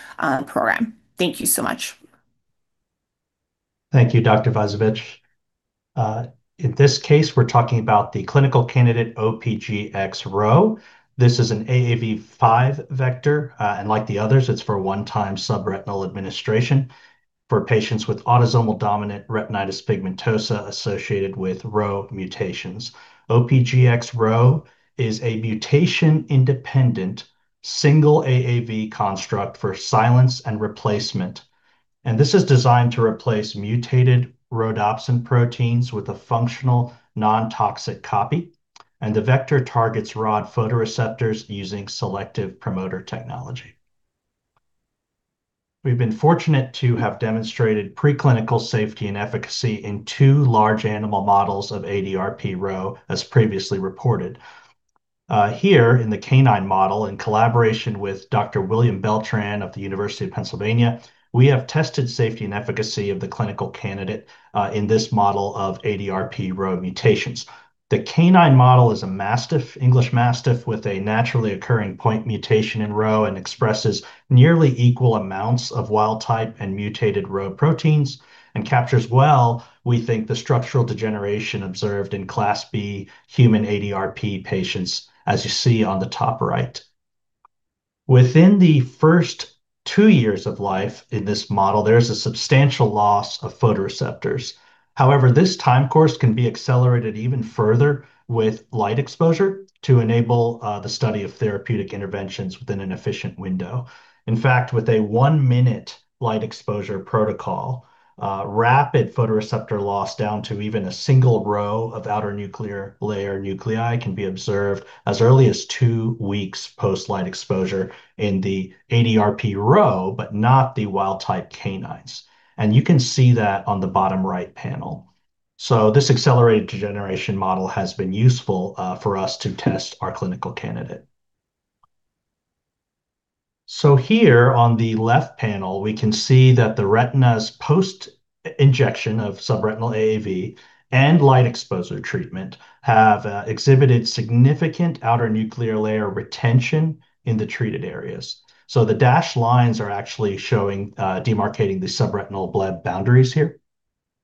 program. Thank you so much. Thank you, Dr. Vajzovic. In this case, we're talking about the clinical candidate OPGx-RHO. This is an AAV5 vector. Like the others, it's for one-time subretinal administration for patients with autosomal dominant retinitis pigmentosa associated with RHO mutations. OPGx-RHO is a mutation-independent single AAV construct for silence and replacement. This is designed to replace mutated rhodopsin proteins with a functional non-toxic copy. The vector targets rod photoreceptors using selective promoter technology. We've been fortunate to have demonstrated preclinical safety and efficacy in two large animal models of ADRP RHO, as previously reported. Here in the canine model, in collaboration with Dr. William Beltran of the University of Pennsylvania, we have tested safety and efficacy of the clinical candidate in this model of ADRP RHO mutations. The canine model is an English mastiff with a naturally occurring point mutation in RHO, and expresses nearly equal amounts of wild type and mutated RHO proteins, and captures well, we think, the structural degeneration observed in Class B human ADRP patients, as you see on the top right. Within the first two years of life in this model, there is a substantial loss of photoreceptors. However, this time course can be accelerated even further with light exposure to enable the study of therapeutic interventions within an efficient window. In fact, with a one-minute light exposure protocol, rapid photoreceptor loss down to even a single RHO of outer nuclear layer nuclei can be observed as early as two weeks post light exposure in the ADRP RHO, but not the wild-type canines. You can see that on the bottom right panel. This accelerated degeneration model has been useful for us to test our clinical candidate. Here on the left panel, we can see that the retina's post-injection of subretinal AAV and light exposure treatment have exhibited significant outer nuclear layer retention in the treated areas. The dashed lines are actually demarcating the subretinal bled boundaries here.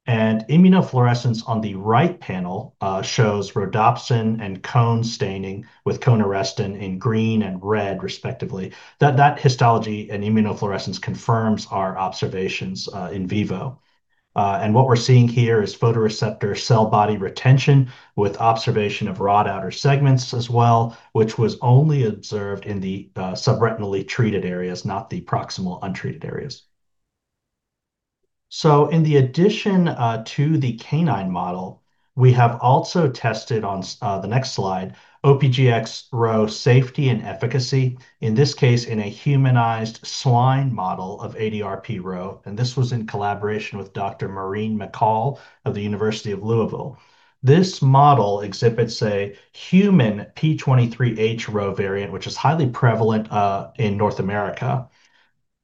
Immunofluorescence on the right panel shows rhodopsin and cone staining with cone arrestin in green and red respectively. That histology and immunofluorescence confirms our observations in vivo. What we're seeing here is photoreceptor cell body retention with observation of rod outer segments as well, which was only observed in the subretinally treated areas, not the proximal untreated areas. In the addition to the canine model, we have also tested on the next slide, OPGx-RHO safety and efficacy, in this case, in a humanized swine model of ADRP RHO. This was in collaboration with Dr. Maureen McCall of the University of Louisville. This model exhibits a human P23H RHO variant, which is highly prevalent in North America.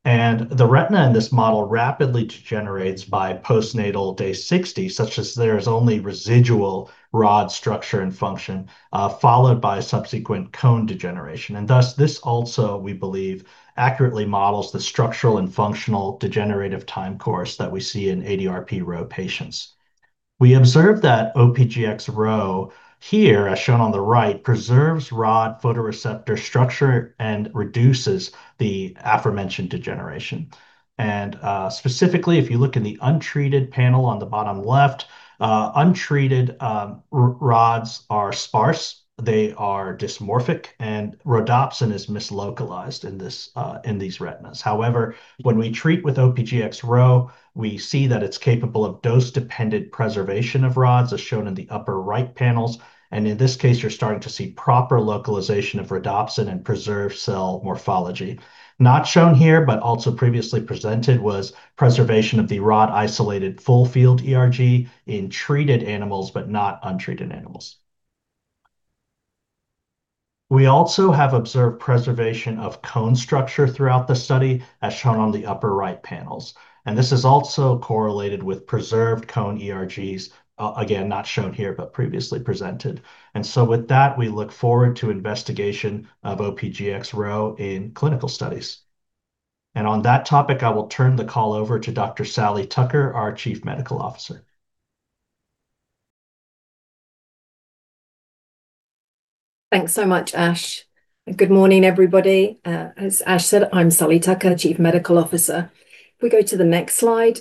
The retina in this model rapidly degenerates by postnatal day 60, such as there is only residual rod structure and function, followed by subsequent cone degeneration. Thus, this also, we believe, accurately models the structural and functional degenerative time course that we see in ADRP RHO patients. We observe that OPGx-RHO here, as shown on the right, preserves rod photoreceptor structure and reduces the aforementioned degeneration. Specifically, if you look in the untreated panel on the bottom left, untreated rods are sparse. They are dysmorphic, and rhodopsin is mislocalized in these retinas. However, when we treat with OPGx-RHO, we see that it's capable of dose-dependent preservation of rods, as shown in the upper right panels. In this case, you're starting to see proper localization of rhodopsin and preserved cell morphology. Not shown here, but also previously presented, was preservation of the rod-isolated full-field ERG in treated animals, but not untreated animals. We also have observed preservation of cone structure throughout the study, as shown on the upper right panels. This is also correlated with preserved cone ERGs, again, not shown here, but previously presented. With that, we look forward to investigation of OPGx-RHO in clinical studies. On that topic, I will turn the call over to Dr. Sally Tucker, our Chief Medical Officer. Thanks so much, Ash. Good morning, everybody. As Ash said, I'm Sally Tucker, Chief Medical Officer. We go to the next slide.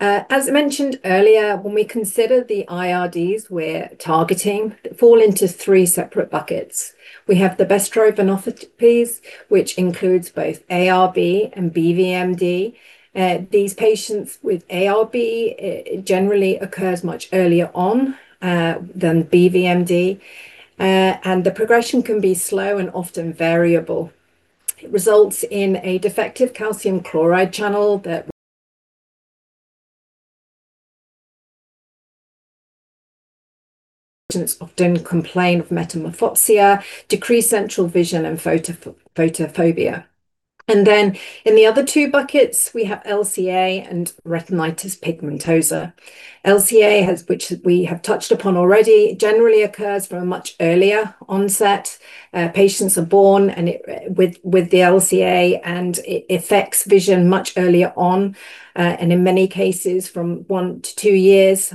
As mentioned earlier, when we consider the IRDs we're targeting, they fall into three separate buckets. We have the bestrophinopathies, which includes both ARB and BVMD. These patients with ARB, it generally occurs much earlier on than BVMD. The progression can be slow and often variable. It results in a defective calcium-activated chloride channel that patients often complain of metamorphopsia, decreased central vision, and photophobia. In the other two buckets, we have LCA and retinitis pigmentosa. LCA, which we have touched upon already, generally occurs from a much earlier onset. Patients are born with the LCA, and it affects vision much earlier on. In many cases from one to two years,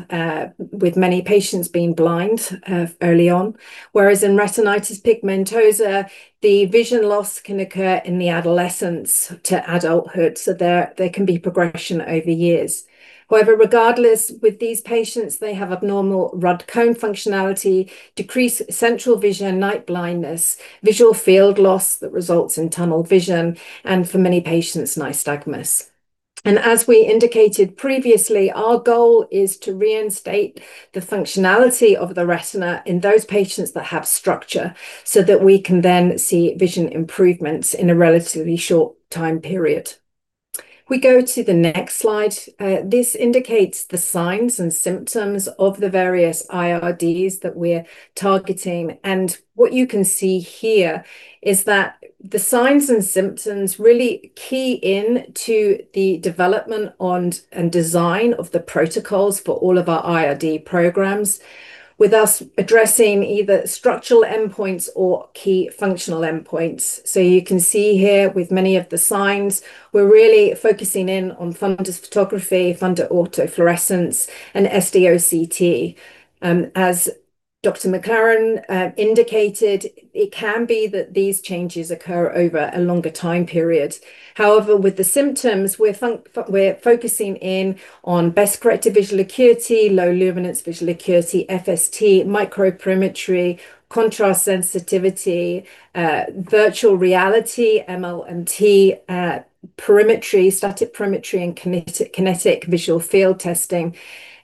with many patients being blind early on. Whereas in retinitis pigmentosa, the vision loss can occur in the adolescence to adulthood, so there can be progression over years. However, regardless, with these patients, they have abnormal rod-cone functionality, decreased central vision, night blindness, visual field loss that results in tunnel vision, and for many patients, nystagmus. As we indicated previously, our goal is to reinstate the functionality of the retina in those patients that have structure so that we can then see vision improvements in a relatively short time period. We go to the next slide. This indicates the signs and symptoms of the various IRDs that we're targeting. What you can see here is that the signs and symptoms really key into the development and design of the protocols for all of our IRD programs, with us addressing either structural endpoints or key functional endpoints. You can see here with many of the signs, we're really focusing in on fundus photography, fundus autofluorescence, and SD-OCT. As Dr. MacLaren indicated, it can be that these changes occur over a longer time period. However, with the symptoms, we're focusing in on best corrected visual acuity, low luminance visual acuity, FST, microperimetry, contrast sensitivity, virtual reality, MLMT, perimetry, static perimetry, and kinetic visual field testing.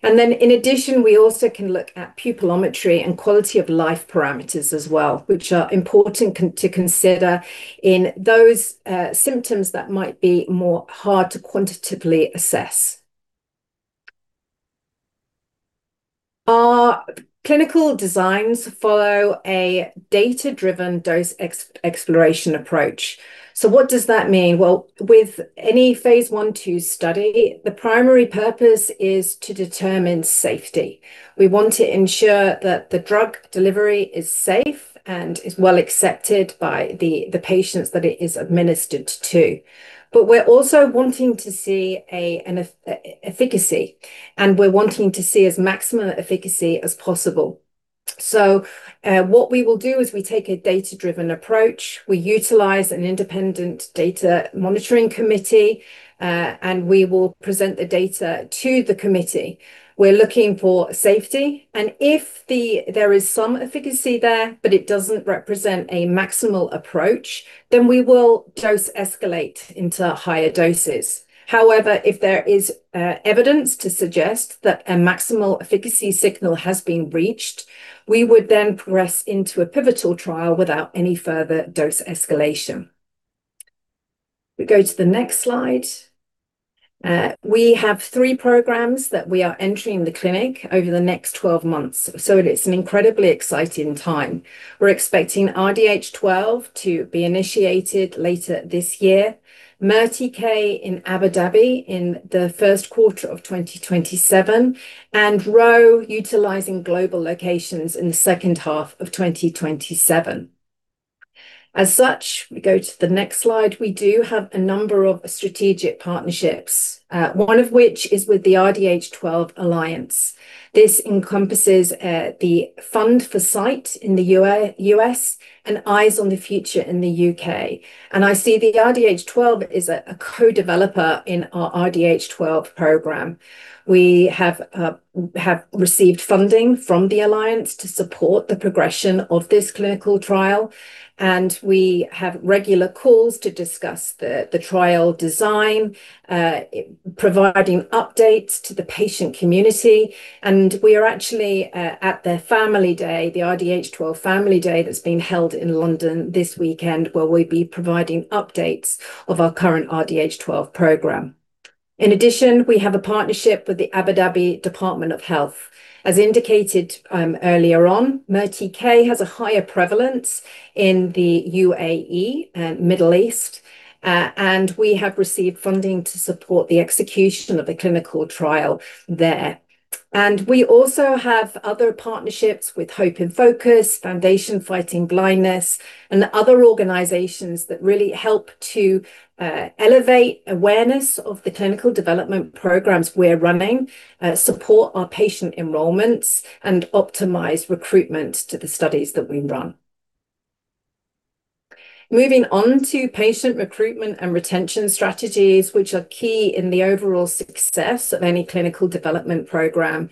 In addition, we also can look at pupillometry and quality-of-life parameters as well, which are important to consider in those symptoms that might be more hard to quantitatively assess. Our clinical designs follow a data-driven dose exploration approach. What does that mean? Well, with any phase I/II study, the primary purpose is to determine safety. We want to ensure that the drug delivery is safe and is well accepted by the patients that it is administered to. We're also wanting to see efficacy, and we're wanting to see as maximal efficacy as possible. What we will do is we take a data-driven approach. We utilize an independent data monitoring committee, and we will present the data to the committee. We're looking for safety. If there is some efficacy there, but it doesn't represent a maximal approach, then we will dose escalate into higher doses. However, if there is evidence to suggest that a maximal efficacy signal has been reached, we would then progress into a pivotal trial without any further dose escalation. We go to the next slide. We have three programs that we are entering the clinic over the next 12 months, it's an incredibly exciting time. We're expecting RDH12 to be initiated later this year, MERTK in Abu Dhabi in the first quarter of 2027, RHO utilizing global locations in the second half of 2027. We go to the next slide. We do have a number of strategic partnerships, one of which is with the RDH12 Alliance. This encompasses the Fund for Sight in the U.S. and Eyes on the Future in the U.K. I see the RDH12 is a co-developer in our RDH12 program. We have received funding from the alliance to support the progression of this clinical trial. We have regular calls to discuss the trial design, providing updates to the patient community. We are actually at their family day, the RDH12 Family Day, that's being held in London this weekend, where we'll be providing updates of our current RDH12 program. In addition, we have a partnership with the Department of Health – Abu Dhabi. As indicated earlier on, MERTK has a higher prevalence in the UAE and Middle East. We have received funding to support the execution of the clinical trial there. We also have other partnerships with Hope in Focus, Foundation Fighting Blindness, and other organizations that really help to elevate awareness of the clinical development programs we're running, support our patient enrollments, and optimize recruitment to the studies that we run. Moving on to patient recruitment and retention strategies, which are key in the overall success of any clinical development program.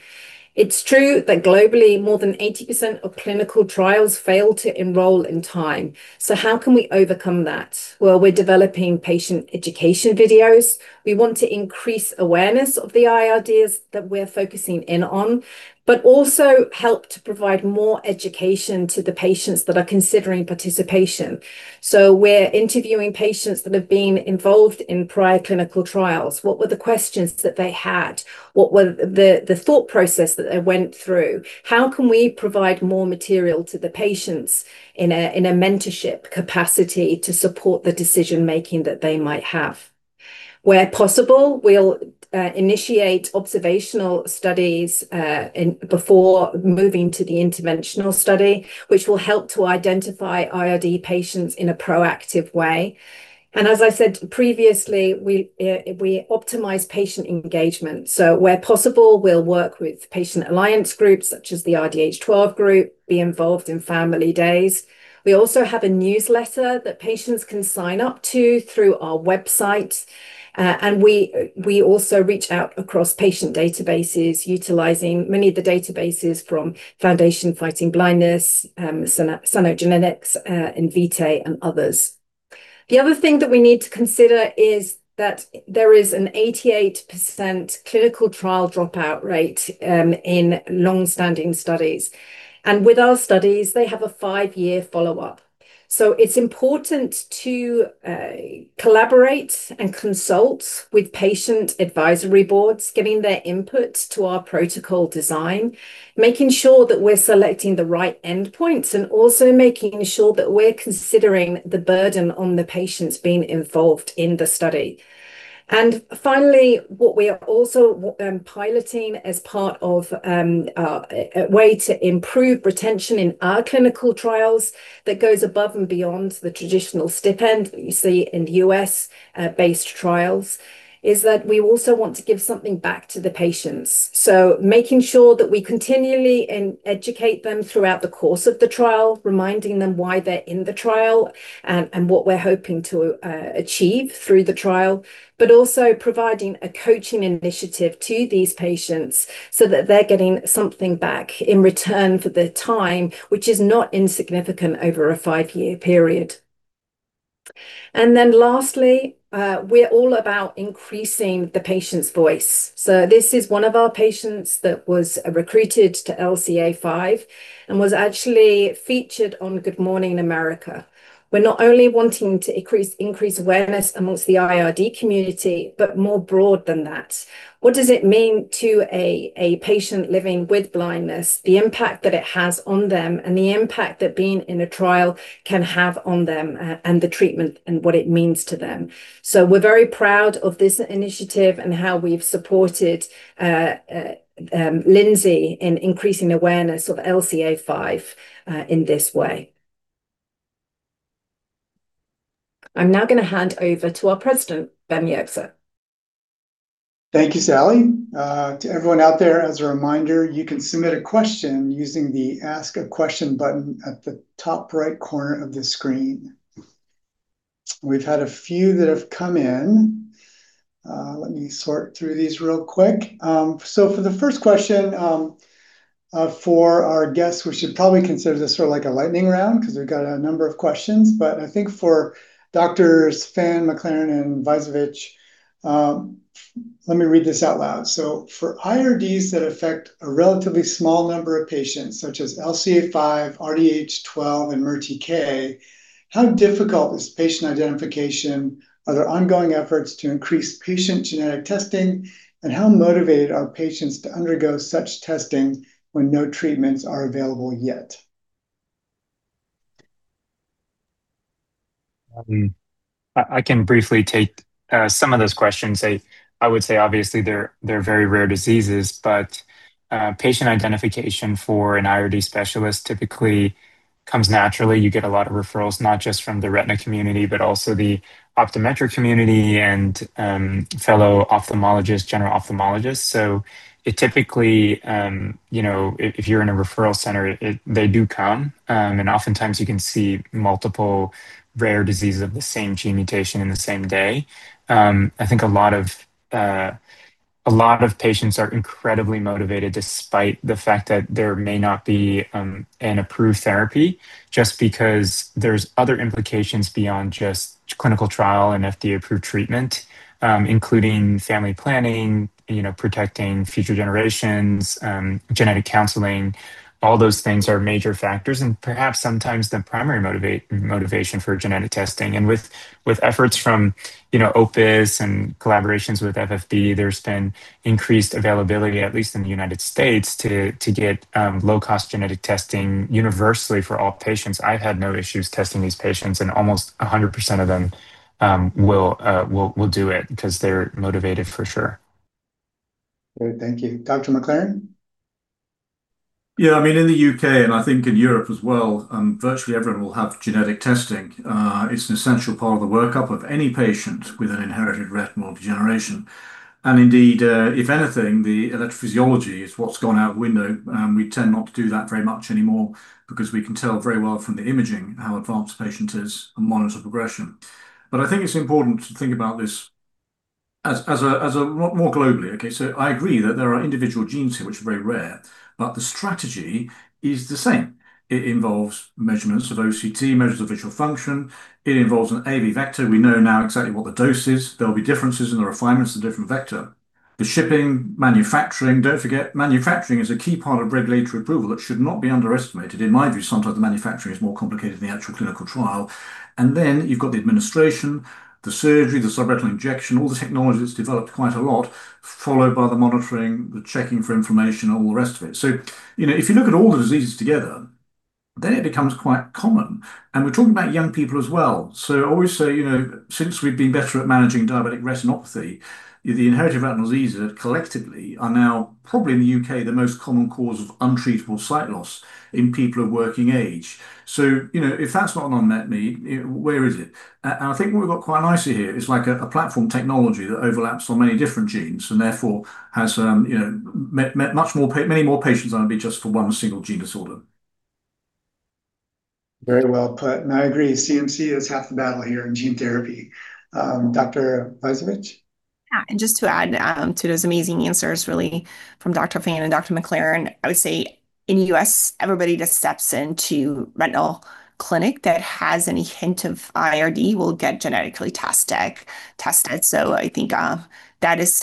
It's true that globally, more than 80% of clinical trials fail to enroll in time. How can we overcome that? We're developing patient education videos. We want to increase awareness of the IRDs that we're focusing in on, but also help to provide more education to the patients that are considering participation. We're interviewing patients that have been involved in prior clinical trials. What were the questions that they had? What were the thought process that they went through? How can we provide more material to the patients in a mentorship capacity to support the decision-making that they might have? Where possible, we'll initiate observational studies before moving to the interventional study, which will help to identify IRD patients in a proactive way. As I said previously, we optimize patient engagement. Where possible, we'll work with patient alliance groups, such as the RDH12 group, be involved in family days. We also have a newsletter that patients can sign up to through our website. We also reach out across patient databases, utilizing many of the databases from Foundation Fighting Blindness, Sano Genetics, Invitae, and others. The other thing that we need to consider is that there is an 88% clinical trial dropout rate in longstanding studies. With our studies, they have a five-year follow-up. It's important to collaborate and consult with patient advisory boards, getting their input to our protocol design, making sure that we're selecting the right endpoints, also making sure that we're considering the burden on the patients being involved in the study. Finally, what we are also piloting as part of a way to improve retention in our clinical trials that goes above and beyond the traditional stipend that you see in U.S.-based trials, is that we also want to give something back to the patients. Making sure that we continually educate them throughout the course of the trial, reminding them why they're in the trial, and what we're hoping to achieve through the trial. Also providing a coaching initiative to these patients so that they're getting something back in return for their time, which is not insignificant over a five-year period. Lastly, we're all about increasing the patient's voice. This is one of our patients that was recruited to LCA5 and was actually featured on Good Morning America. We're not only wanting to increase awareness amongst the IRD community, but more broad than that. What does it mean to a patient living with blindness, the impact that it has on them, and the impact that being in a trial can have on them, and the treatment and what it means to them? We're very proud of this initiative and how we've supported Lindsey in increasing awareness of LCA5 in this way. I'm now going to hand over to our President, Ben Yerxa. Thank you, Sally. To everyone out there, as a reminder, you can submit a question using the Ask a Question button at the top right corner of the screen. We've had a few that have come in. Let me sort through these real quick. For the first question, for our guests, we should probably consider this sort of like a lightning round because we've got a number of questions. I think for Doctors Fan, MacLaren, and Vajzovic, let me read this out loud. For IRDs that affect a relatively small number of patients, such as LCA5, RDH12, and MERTK, how difficult is patient identification? Are there ongoing efforts to increase patient genetic testing? How motivated are patients to undergo such testing when no treatments are available yet? I can briefly take some of those questions. I would say, obviously, they're very rare diseases. Patient identification for an IRD specialist typically comes naturally. You get a lot of referrals, not just from the retina community, but also the optometric community and fellow ophthalmologists, general ophthalmologists. Typically, if you're in a referral center, they do come, and oftentimes you can see multiple rare diseases of the same gene mutation in the same day. I think a lot of patients are incredibly motivated despite the fact that there may not be an approved therapy, just because there's other implications beyond just clinical trial and FDA-approved treatment, including family planning, protecting future generations, genetic counseling. All those things are major factors, and perhaps sometimes the primary motivation for genetic testing. With efforts from Opus and collaborations with FFB, there's been increased availability, at least in the U.S., to get low-cost genetic testing universally for all patients. I've had no issues testing these patients, and almost 100% of them will do it because they're motivated for sure. Great. Thank you. Dr. MacLaren? Yeah, in the U.K., and I think in Europe as well, virtually everyone will have genetic testing. It's an essential part of the workup of any patient with an inherited retinal degeneration. Indeed, if anything, the electrophysiology is what's gone out the window. We tend not to do that very much anymore because we can tell very well from the imaging how advanced a patient is and monitor progression. I think it's important to think about this more globally, okay? I agree that there are individual genes here which are very rare, the strategy is the same. It involves measurements of OCT, measurements of visual function. It involves an AAV vector. We know now exactly what the dose is. There'll be differences in the refinements of different vector. The shipping, manufacturing. Don't forget, manufacturing is a key part of regulatory approval that should not be underestimated. In my view, sometimes the manufacturing is more complicated than the actual clinical trial. You've got the administration, the surgery, the subretinal injection, all the technology that's developed quite a lot, followed by the monitoring, the checking for inflammation, and all the rest of it. If you look at all the diseases together, it becomes quite common. We're talking about young people as well. Always say, since we've been better at managing diabetic retinopathy, the inherited retinal diseases collectively are now probably in the U.K., the most common cause of untreatable sight loss in people of working age. If that's not an unmet need, where is it? I think what we've got quite nicely here is like a platform technology that overlaps on many different genes and therefore has many more patients than it'd be just for one single gene disorder. Very well put, and I agree. CMC is half the battle here in gene therapy. Dr. Vajzovic? Just to add to those amazing answers really from Dr. Fan and Dr. MacLaren, I would say in the U.S., everybody that steps into retinal clinic that has any hint of IRD will get genetically tested. I think that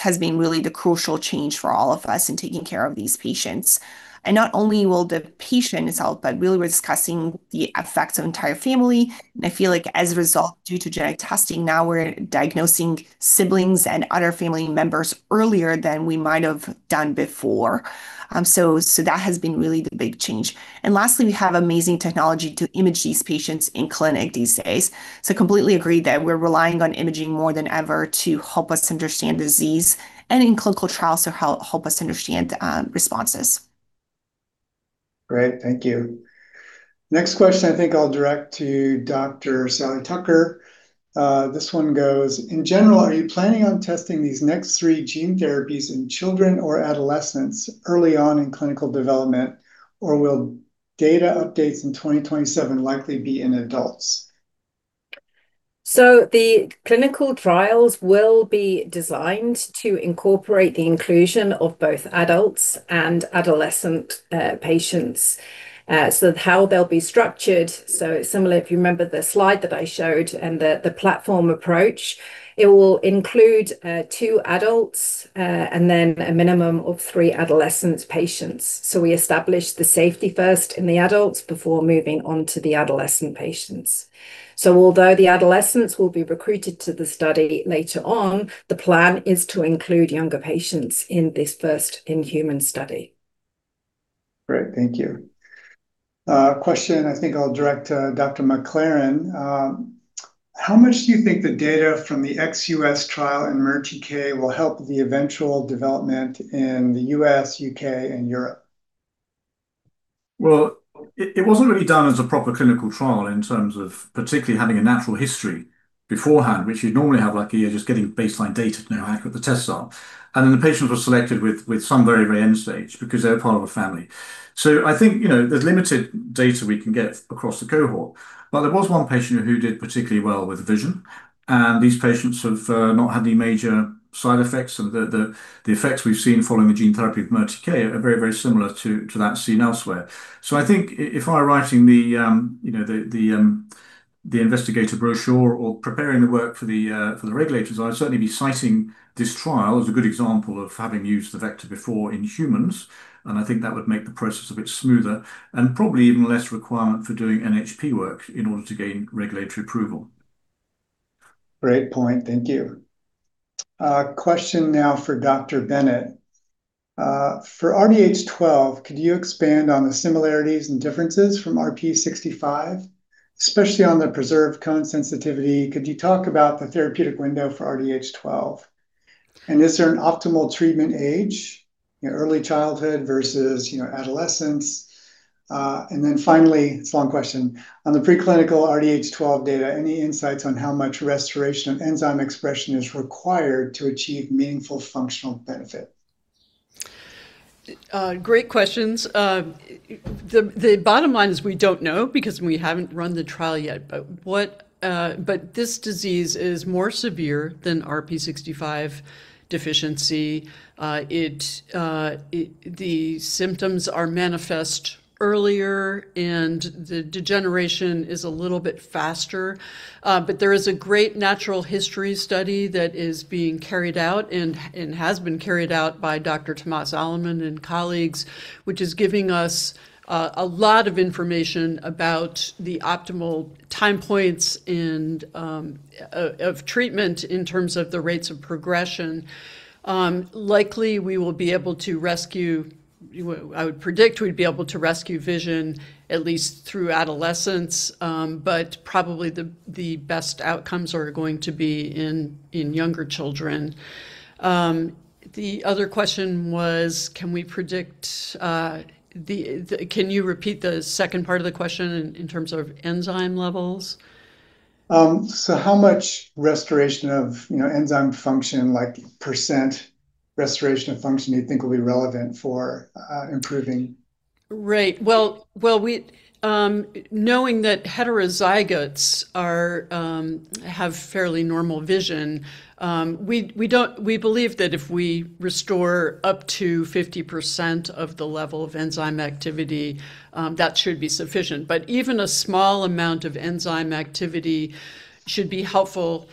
has been really the crucial change for all of us in taking care of these patients. Not only will the patient is helped, but really we're discussing the effects of entire family. I feel like as a result due to genetic testing, now we're diagnosing siblings and other family members earlier than we might have done before. That has been really the big change. Lastly, we have amazing technology to image these patients in clinic these days. Completely agree that we're relying on imaging more than ever to help us understand disease and in clinical trials to help us understand responses. Great. Thank you. Next question I think I'll direct to Dr. Sally Tucker. This one goes, "In general, are you planning on testing these next three gene therapies in children or adolescents early on in clinical development, or will data updates in 2027 likely be in adults? The clinical trials will be designed to incorporate the inclusion of both adults and adolescent patients. How they'll be structured, it's similar, if you remember the slide that I showed and the platform approach. It will include two adults, and then a minimum of three adolescent patients. We establish the safety first in the adults before moving on to the adolescent patients. Although the adolescents will be recruited to the study later on, the plan is to include younger patients in this first in-human study. Great, thank you. A question I think I'll direct to Dr. MacLaren. How much do you think the data from the ex-U.S. trial in MERTK will help the eventual development in the U.S., U.K., and Europe? Well, it wasn't really done as a proper clinical trial in terms of particularly having a natural history beforehand, which you'd normally have a year just getting baseline data to know how accurate the tests are. Then the patients were selected with some very end stage because they're part of a family. I think, there's limited data we can get across the cohort, but there was one patient who did particularly well with vision, and these patients have not had any major side effects. The effects we've seen following the gene therapy with MERTK are very similar to that seen elsewhere. I think if I were writing the investigator brochure or preparing the work for the regulators, I'd certainly be citing this trial as a good example of having used the vector before in humans. I think that would make the process a bit smoother and probably even less requirement for doing NHP work in order to gain regulatory approval. Great point. Thank you. A question now for Dr. Bennett. For RDH12, could you expand on the similarities and differences from RPE65, especially on the preserved cone sensitivity? Could you talk about the therapeutic window for RDH12? Is there an optimal treatment age, early childhood versus adolescence? Finally, it's a long question, on the preclinical RDH12 data, any insights on how much restoration of enzyme expression is required to achieve meaningful functional benefit? Great questions. The bottom line is we don't know because we haven't run the trial yet. This disease is more severe than RPE65 deficiency. The symptoms are manifest earlier, and the degeneration is a little bit faster. There is a great natural history study that is being carried out, and has been carried out by Dr. Tomas Aleman and colleagues, which is giving us a lot of information about the optimal time points of treatment in terms of the rates of progression. Likely, I would predict we'd be able to rescue vision at least through adolescence. Probably the best outcomes are going to be in younger children. The other question was, can you repeat the second part of the question in terms of enzyme levels? How much restoration of enzyme function, like % restoration of function you think will be relevant for improving? Right. Knowing that heterozygotes have fairly normal vision, we believe that if we restore up to 50% of the level of enzyme activity, that should be sufficient. Even a small amount of enzyme activity should be helpful.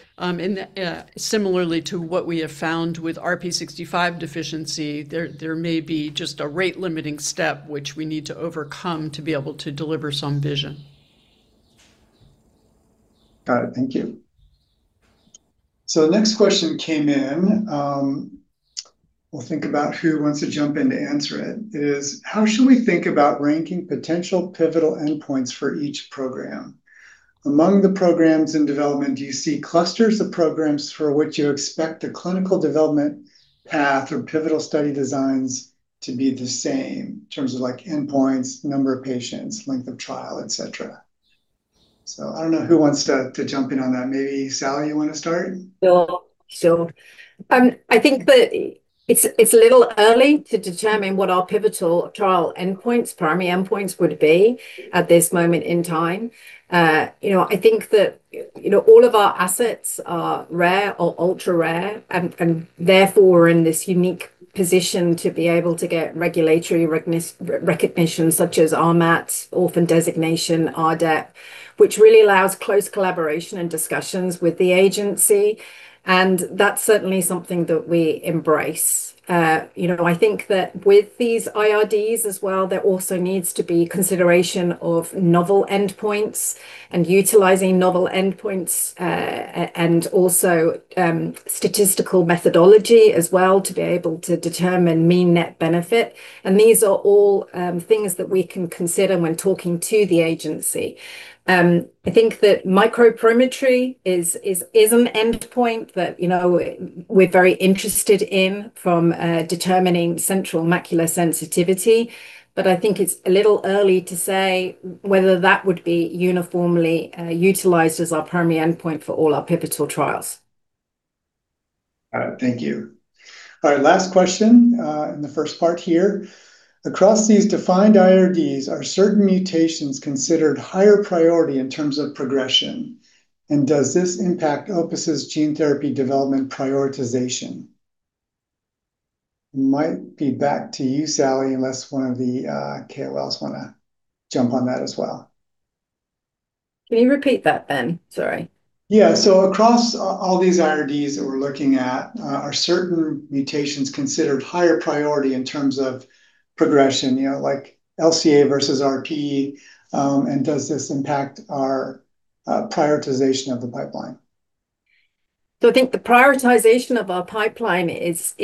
Similarly to what we have found with RPE65 deficiency, there may be just a rate-limiting step which we need to overcome to be able to deliver some vision. Got it. Thank you. The next question came in. We'll think about who wants to jump in to answer it. It is, how should we think about ranking potential pivotal endpoints for each program? Among the programs in development, do you see clusters of programs for which you expect the clinical development path or pivotal study designs to be the same in terms of endpoints, number of patients, length of trial, et cetera? I don't know who wants to jump in on that. Maybe, Sally, you want to start? Sure. I think that it's a little early to determine what our pivotal trial endpoints, primary endpoints would be at this moment in time. I think that all of our assets are rare or ultra-rare. Therefore we're in this unique position to be able to get regulatory recognition such as RMAT, orphan designation, RDEP, which really allows close collaboration and discussions with the agency. That's certainly something that we embrace. I think that with these IRDs as well, there also needs to be consideration of novel endpoints and utilizing novel endpoints, also statistical methodology as well to be able to determine mean net benefit. These are all things that we can consider when talking to the agency. I think that microperimetry is an endpoint that we're very interested in from determining central macular sensitivity. I think it's a little early to say whether that would be uniformly utilized as our primary endpoint for all our pivotal trials. All right. Thank you. All right, last question in the first part here. Across these defined IRDs, are certain mutations considered higher priority in terms of progression? Does this impact Opus' gene therapy development prioritization? Might be back to you, Sally, unless one of the KOLs want to jump on that as well. Can you repeat that, Ben? Sorry. Yeah. Across all these IRDs that we're looking at, are certain mutations considered higher priority in terms of progression like LCA versus RP? Does this impact our prioritization of the pipeline? I think the prioritization of our pipeline is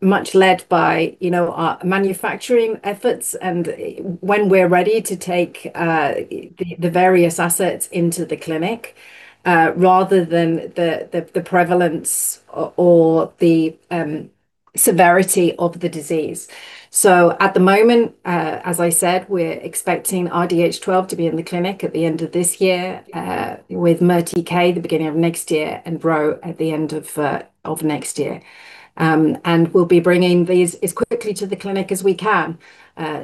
much led by our manufacturing efforts and when we're ready to take the various assets into the clinic, rather than the prevalence or the severity of the disease. At the moment, as I said, we're expecting RDH12 to be in the clinic at the end of this year, with MERTK in the first quarter of 2027, and RHO in the second half of 2027. We'll be bringing these as quickly to the clinic as we can,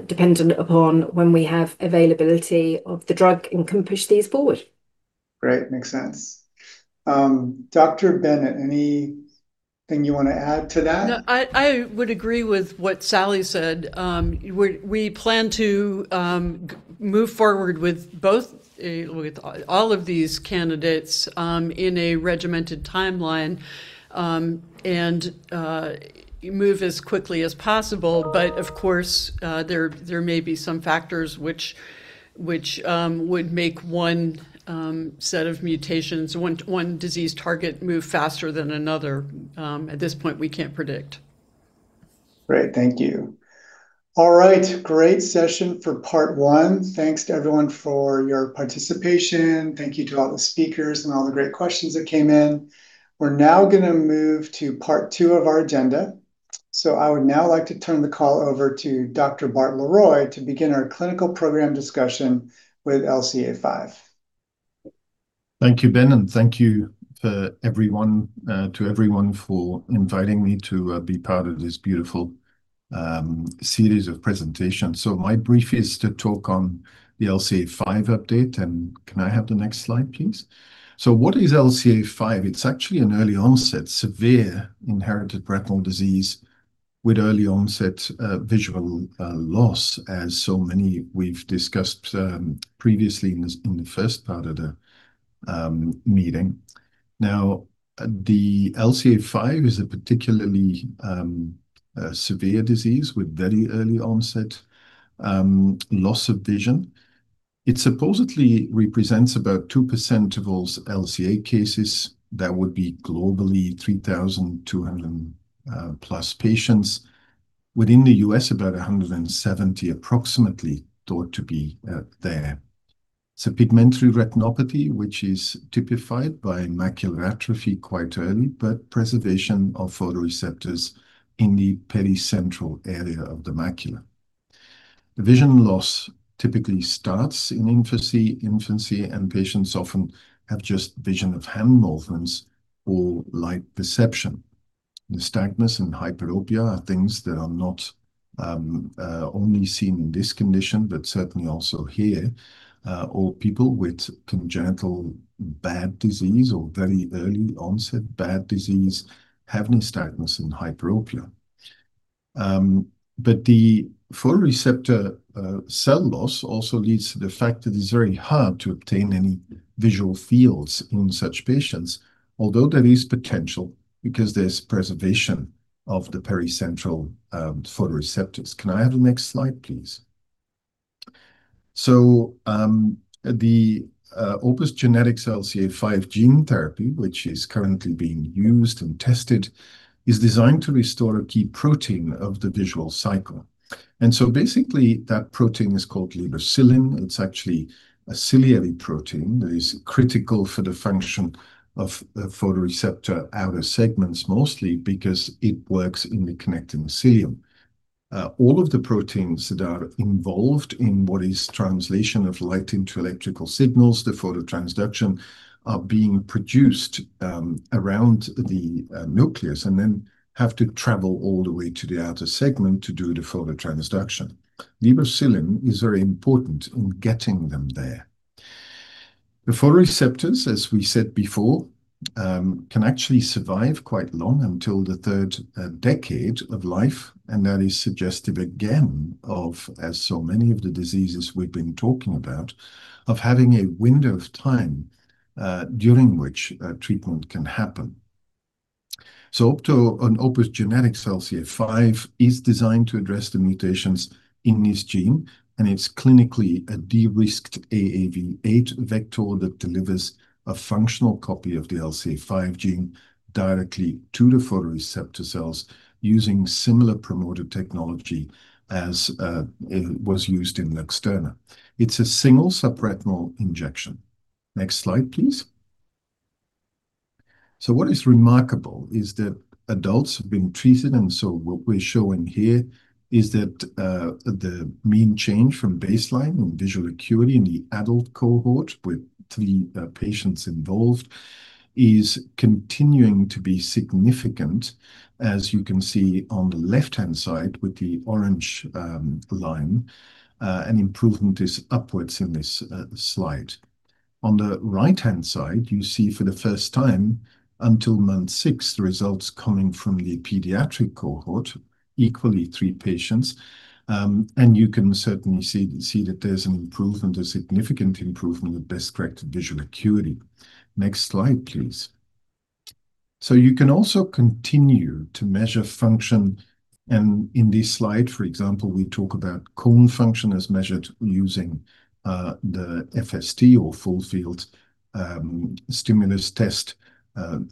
dependent upon when we have availability of the drug and can push these forward. Great. Makes sense. Dr. Bennett, anything you want to add to that? No, I would agree with what Sally said. We plan to move forward with all of these candidates in a regimented timeline. We move as quickly as possible. Of course, there may be some factors which would make one set of mutations, one disease target move faster than another. At this point, we can't predict. Great. Thank you. All right. Great session for part one. Thanks to everyone for your participation. Thank you to all the speakers and all the great questions that came in. We're now going to move to part two of our agenda. I would now like to turn the call over to Dr. Bart Leroy to begin our clinical program discussion with LCA5. Thank you, Ben. Thank you to everyone for inviting me to be part of this beautiful series of presentations. My brief is to talk on the LCA5 update. Can I have the next slide, please? What is LCA5? It's actually an early-onset severe inherited retinal disease with early-onset visual loss, as so many we've discussed previously in the first part of the meeting. The LCA5 is a particularly severe disease with very early onset loss of vision. It supposedly represents about 2% of all LCA cases. That would be globally 3,200-plus patients. Within the U.S., about 170 approximately thought to be there. It's a pigmentary retinopathy, which is typified by macular atrophy quite early, but preservation of photoreceptors in the pericentral area of the macula. The vision loss typically starts in infancy, and patients often have just vision of hand movements or light perception. Nystagmus and hyperopia are things that are not only seen in this condition, but certainly also here. All people with congenital bad disease or very early onset bad disease have nystagmus and hyperopia. The photoreceptor cell loss also leads to the fact that it's very hard to obtain any visual fields in such patients, although there is potential because there's preservation of the pericentral photoreceptors. Can I have the next slide, please? The Opus Genetics LCA5 gene therapy, which is currently being used and tested, is designed to restore a key protein of the visual cycle. Basically, that protein is called lebercilin. It's actually a ciliary protein that is critical for the function of the photoreceptor outer segments, mostly because it works in the connecting cilium. All of the proteins that are involved in what is translation of light into electrical signals, the phototransduction, are being produced around the nucleus and then have to travel all the way to the outer segment to do the phototransduction. Lebercilin is very important in getting them there. The photoreceptors, as we said before, can actually survive quite long until the third decade of life, and that is suggestive again of, as so many of the diseases we've been talking about, of having a window of time during which treatment can happen. OPGx-LCA5, an Opus Genetics LCA5, is designed to address the mutations in this gene, and it's clinically a de-risked AAV8 vector that delivers a functional copy of the LCA5 gene directly to the photoreceptor cells using similar promoter technology as was used in LUXTURNA. It's a single subretinal injection. Next slide, please. What is remarkable is that adults have been treated, what we're showing here is that the mean change from baseline and visual acuity in the adult cohort with three patients involved is continuing to be significant, as you can see on the left-hand side with the orange line. An improvement is upwards in this slide. On the right-hand side, you see for the first time until month six, the results coming from the pediatric cohort, equally three patients. You can certainly see that there's an improvement, a significant improvement in best-corrected visual acuity. Next slide, please. You can also continue to measure function. In this slide, for example, we talk about cone function as measured using the FST or full field stimulus test,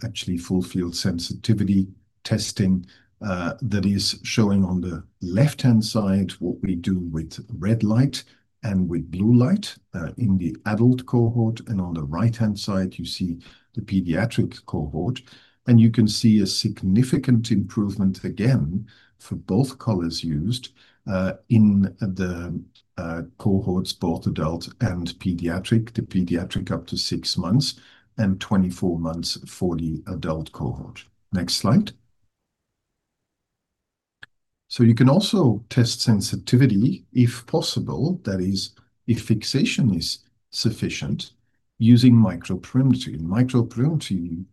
actually full field sensitivity testing, that is showing on the left-hand side what we do with red light and with blue light in the adult cohort. On the right-hand side, you see the pediatric cohort. You can see a significant improvement again for both colors used in the cohorts, both adult and pediatric. The pediatric up to six months and 24 months for the adult cohort. Next slide. You can also test sensitivity if possible, that is if fixation is sufficient, using microperimetry. In microperimetry,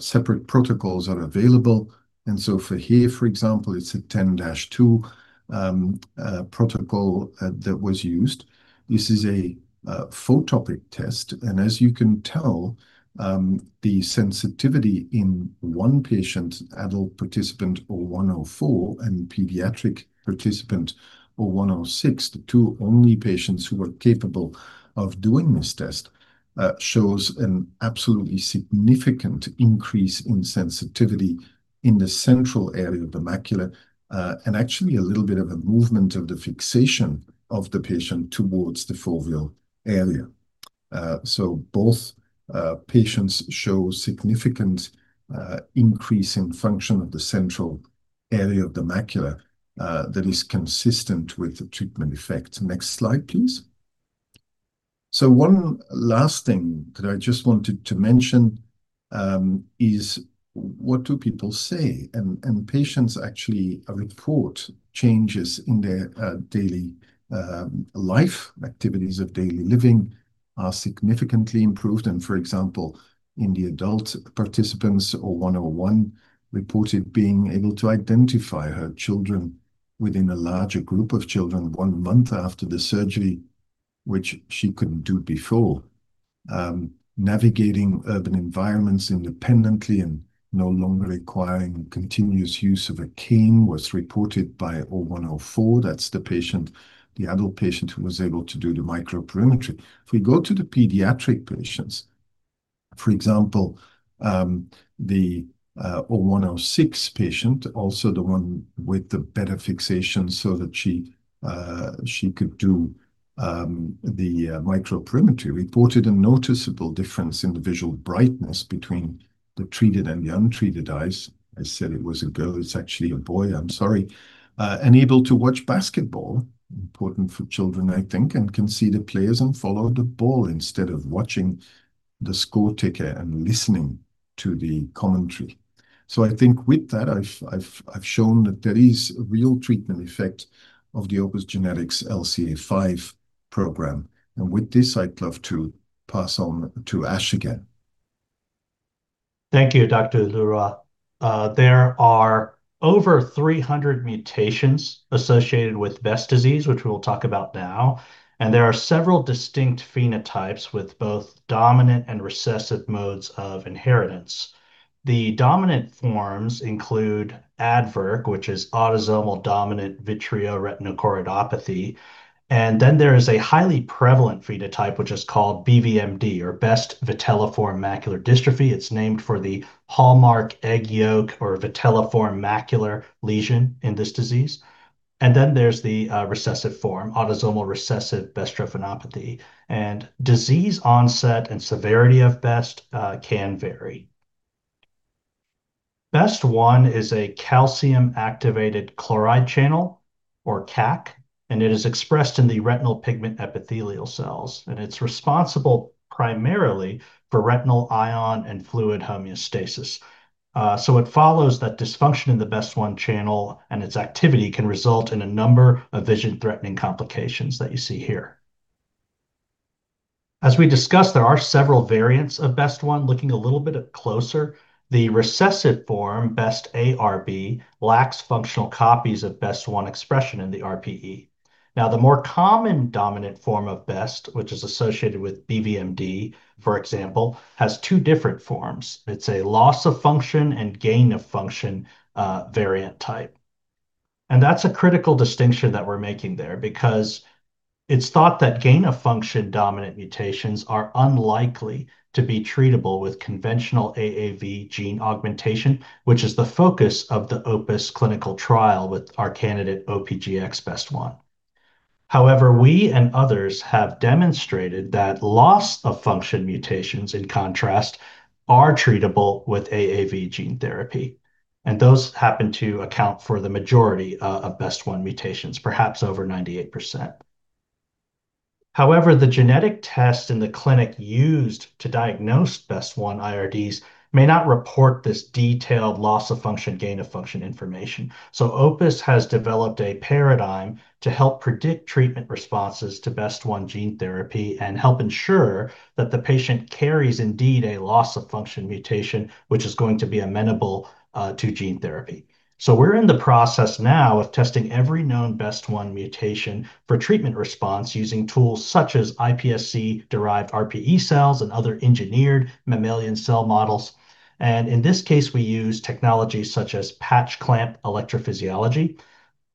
separate protocols are available. For here, for example, it's a 10-2 protocol that was used. This is a photopic test. As you can tell, the sensitivity in one patient, adult participant 0104 and pediatric participant 0106, the two only patients who were capable of doing this test, shows an absolutely significant increase in sensitivity in the central area of the macula, and actually a little bit of a movement of the fixation of the patient towards the foveal area. Both patients show significant increase in function of the central area of the macula that is consistent with the treatment effect. Next slide, please. One last thing that I just wanted to mention is what do people say? Patients actually report changes in their daily life. Activities of daily living are significantly improved, and for example, in the adult participants, 0101 reported being able to identify her children within a larger group of children one month after the surgery, which she couldn't do before. Navigating urban environments independently and no longer requiring continuous use of a cane was reported by 0104. That's the adult patient who was able to do the microperimetry. If we go to the pediatric patients, for example, the 0106 patient, also the one with the better fixation so that she could do the microperimetry, reported a noticeable difference in the visual brightness between the treated and the untreated eyes. I said it was a girl. It's actually a boy. I'm sorry. Able to watch basketball, important for children, I think, and can see the players and follow the ball instead of watching the score ticker and listening to the commentary. I think with that, I've shown that there is a real treatment effect of the Opus Genetics LCA5 program. With this, I'd love to pass on to Ash again. Thank you, Dr. Bart Leroy. There are over 300 mutations associated with Best disease, which we will talk about now, there are several distinct phenotypes with both dominant and recessive modes of inheritance. The dominant forms include ADVRB, which is autosomal dominant vitreoretinochoroidopathy, then there is a highly prevalent phenotype which is called BVMD, or Best vitelliform macular dystrophy. It's named for the hallmark egg yolk or vitelliform macular lesion in this disease. Then there's the recessive form, autosomal recessive bestrophinopathy. Disease onset and severity of Best can vary. BEST1 is a calcium-activated chloride channel, or CaCC, and it is expressed in the retinal pigment epithelial cells, and it's responsible primarily for retinal ion and fluid homeostasis. It follows that dysfunction in the BEST1 channel and its activity can result in a number of vision-threatening complications that you see here. As we discussed, there are several variants of BEST1. Looking a little bit closer, the recessive form, BEST ARB, lacks functional copies of BEST1 expression in the RPE. The more common dominant form of Best, which is associated with BVMD, for example, has two different forms. It's a loss-of-function and gain-of-function variant type. That's a critical distinction that we're making there, because it's thought that gain-of-function dominant mutations are unlikely to be treatable with conventional AAV gene augmentation, which is the focus of the Opus clinical trial with our candidate, OPGx-BEST1. However, we and others have demonstrated that loss-of-function mutations, in contrast, are treatable with AAV gene therapy, and those happen to account for the majority of BEST1 mutations, perhaps over 98%. The genetic test in the clinic used to diagnose BEST1 IRDs may not report this detailed loss-of-function, gain-of-function information. Opus has developed a paradigm to help predict treatment responses to BEST1 gene therapy and help ensure that the patient carries indeed a loss-of-function mutation which is going to be amenable to gene therapy. We're in the process now of testing every known BEST1 mutation for treatment response using tools such as iPSC-derived RPE cells and other engineered mammalian cell models. In this case, we use technology such as patch-clamp electrophysiology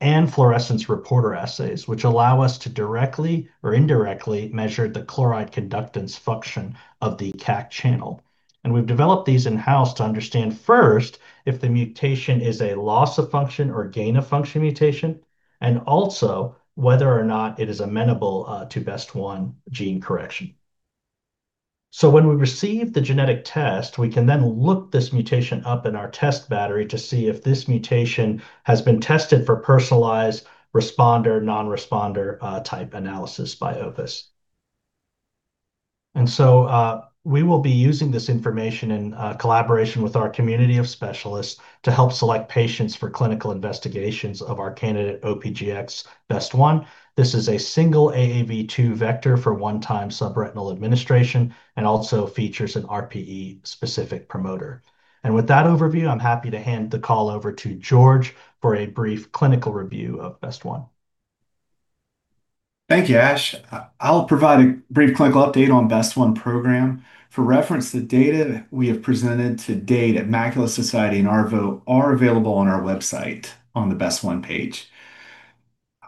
and fluorescence reporter assays, which allow us to directly or indirectly measure the chloride conductance function of the CaCC channel. We've developed these in-house to understand first if the mutation is a loss-of-function or gain-of-function mutation, and also whether or not it is amenable to BEST1 gene correction. When we receive the genetic test, we can look this mutation up in our test battery to see if this mutation has been tested for personalized responder, non-responder type analysis by Opus. We will be using this information in collaboration with our community of specialists to help select patients for clinical investigations of our candidate, OPGx-BEST1. This is a single AAV2 vector for one-time subretinal administration and also features an RPE-specific promoter. With that overview, I'm happy to hand the call over to George for a brief clinical review of BEST1. Thank you, Ash. I'll provide a brief clinical update on BEST1 program. For reference, the data we have presented to date at Macula Society and ARVO are available on our website on the BEST1 page.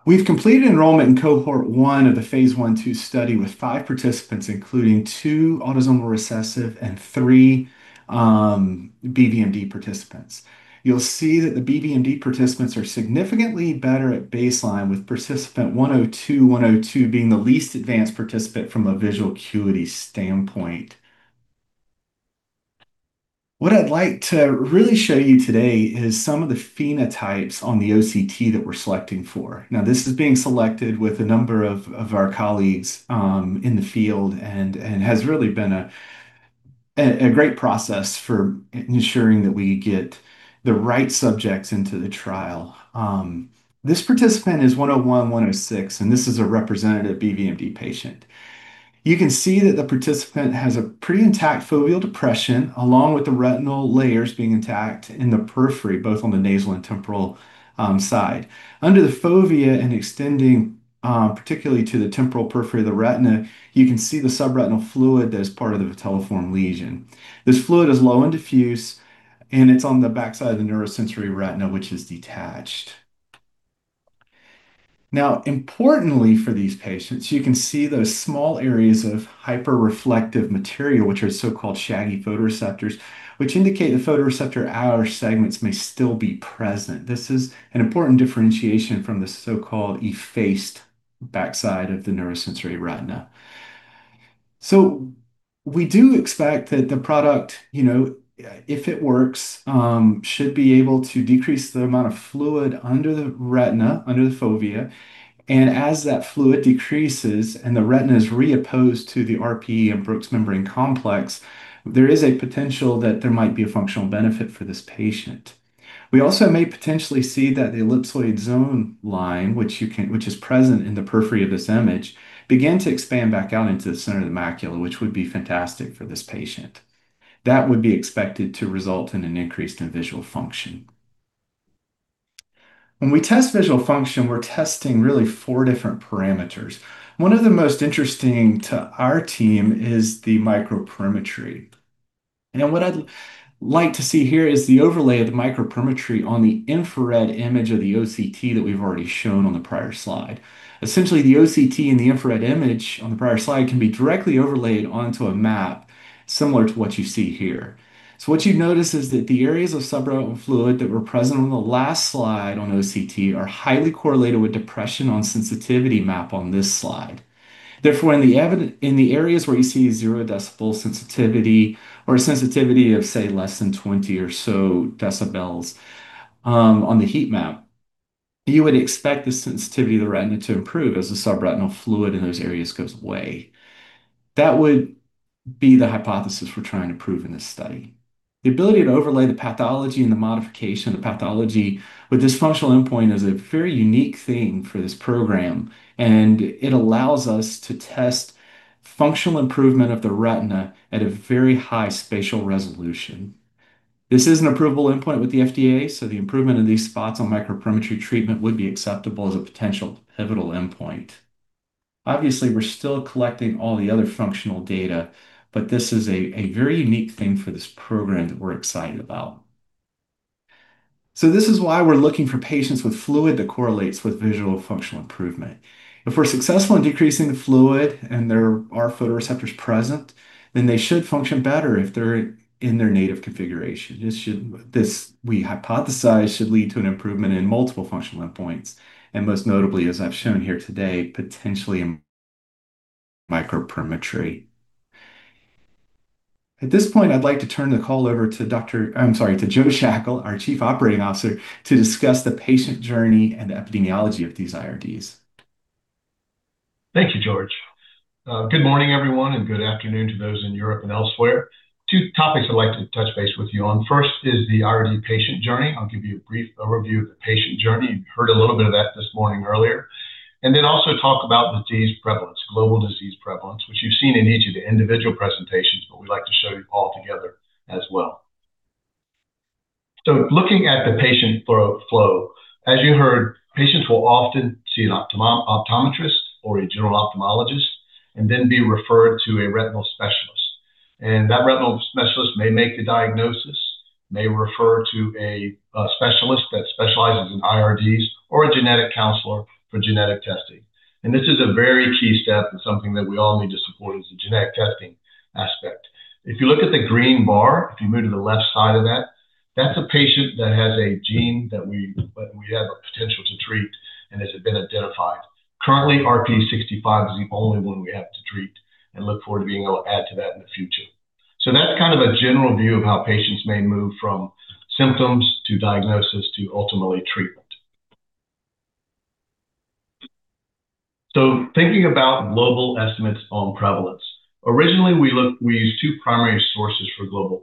We've completed enrollment in cohort 1 of the phase I-II study with five participants, including two autosomal recessive and three BVMD participants. You'll see that the BVMD participants are significantly better at baseline, with participant 102-102 being the least advanced participant from a visual acuity standpoint. What I'd like to really show you today is some of the phenotypes on the OCT that we're selecting for. This is being selected with a number of our colleagues in the field and has really been a great process for ensuring that we get the right subjects into the trial. This participant is 101-106, and this is a representative BVMD patient. You can see that the participant has a pretty intact foveal depression, along with the retinal layers being intact in the periphery, both on the nasal and temporal side. Under the fovea and extending particularly to the temporal periphery of the retina, you can see the subretinal fluid that is part of the vitelliform lesion. This fluid is low and diffuse, and it's on the backside of the neurosensory retina, which is detached. Importantly for these patients, you can see those small areas of hyperreflective material, which are so-called shaggy photoreceptors, which indicate the photoreceptor outer segments may still be present. This is an important differentiation from the so-called effaced backside of the neurosensory retina. We do expect that the product, if it works, should be able to decrease the amount of fluid under the retina, under the fovea, and as that fluid decreases and the retina is re-opposed to the RPE and Bruch's membrane complex, there is a potential that there might be a functional benefit for this patient. We also may potentially see that the ellipsoid zone line, which is present in the periphery of this image, begin to expand back out into the center of the macula, which would be fantastic for this patient. That would be expected to result in an increase in visual function. When we test visual function, we're testing really four different parameters. One of the most interesting to our team is the microperimetry. What I'd like to see here is the overlay of the microperimetry on the infrared image of the OCT that we've already shown on the prior slide. Essentially, the OCT and the infrared image on the prior slide can be directly overlaid onto a map similar to what you see here. What you notice is that the areas of subretinal fluid that were present on the last slide on OCT are highly correlated with depression on sensitivity map on this slide. Therefore, in the areas where you see zero decibel sensitivity or a sensitivity of, say, less than 20 or so decibels on the heat map, you would expect the sensitivity of the retina to improve as the subretinal fluid in those areas goes away. That would be the hypothesis we're trying to prove in this study. The ability to overlay the pathology and the modification of the pathology with this functional endpoint is a very unique thing for this program, and it allows us to test functional improvement of the retina at a very high spatial resolution. This is an approvable endpoint with the FDA, the improvement in these spots on microperimetry treatment would be acceptable as a potential pivotal endpoint. Obviously, we're still collecting all the other functional data, this is a very unique thing for this program that we're excited about. This is why we're looking for patients with fluid that correlates with visual functional improvement. If we're successful in decreasing the fluid and there are photoreceptors present, they should function better if they're in their native configuration. This, we hypothesize, should lead to an improvement in multiple functional endpoints, and most notably, as I've shown here today, potentially in microperimetry. At this point, I'd like to turn the call over to Joe Schachle, our Chief Operating Officer, to discuss the patient journey and the epidemiology of these IRDs. Thank you, George. Good morning, everyone, and good afternoon to those in Europe and elsewhere. Two topics I'd like to touch base with you on. First is the IRD patient journey. I'll give you a brief overview of the patient journey. You heard a little bit of that this morning earlier. Then also talk about the disease prevalence, global disease prevalence, which you've seen in each of the individual presentations, we'd like to show you all together as well. Looking at the patient flow. As you heard, patients will often see an optometrist or a general ophthalmologist then be referred to a retinal specialist. That retinal specialist may make the diagnosis, may refer to a specialist that specializes in IRDs or a genetic counselor for genetic testing. This is a very key step and something that we all need to support is the genetic testing aspect. If you look at the green bar, if you move to the left side of that's a patient that has a gene that we have a potential to treat and has been identified. Currently, RPE65 is the only one we have to treat and look forward to being able to add to that in the future. That's kind of a general view of how patients may move from symptoms to diagnosis to ultimately treatment. Thinking about global estimates on prevalence. Originally, we used two primary sources for global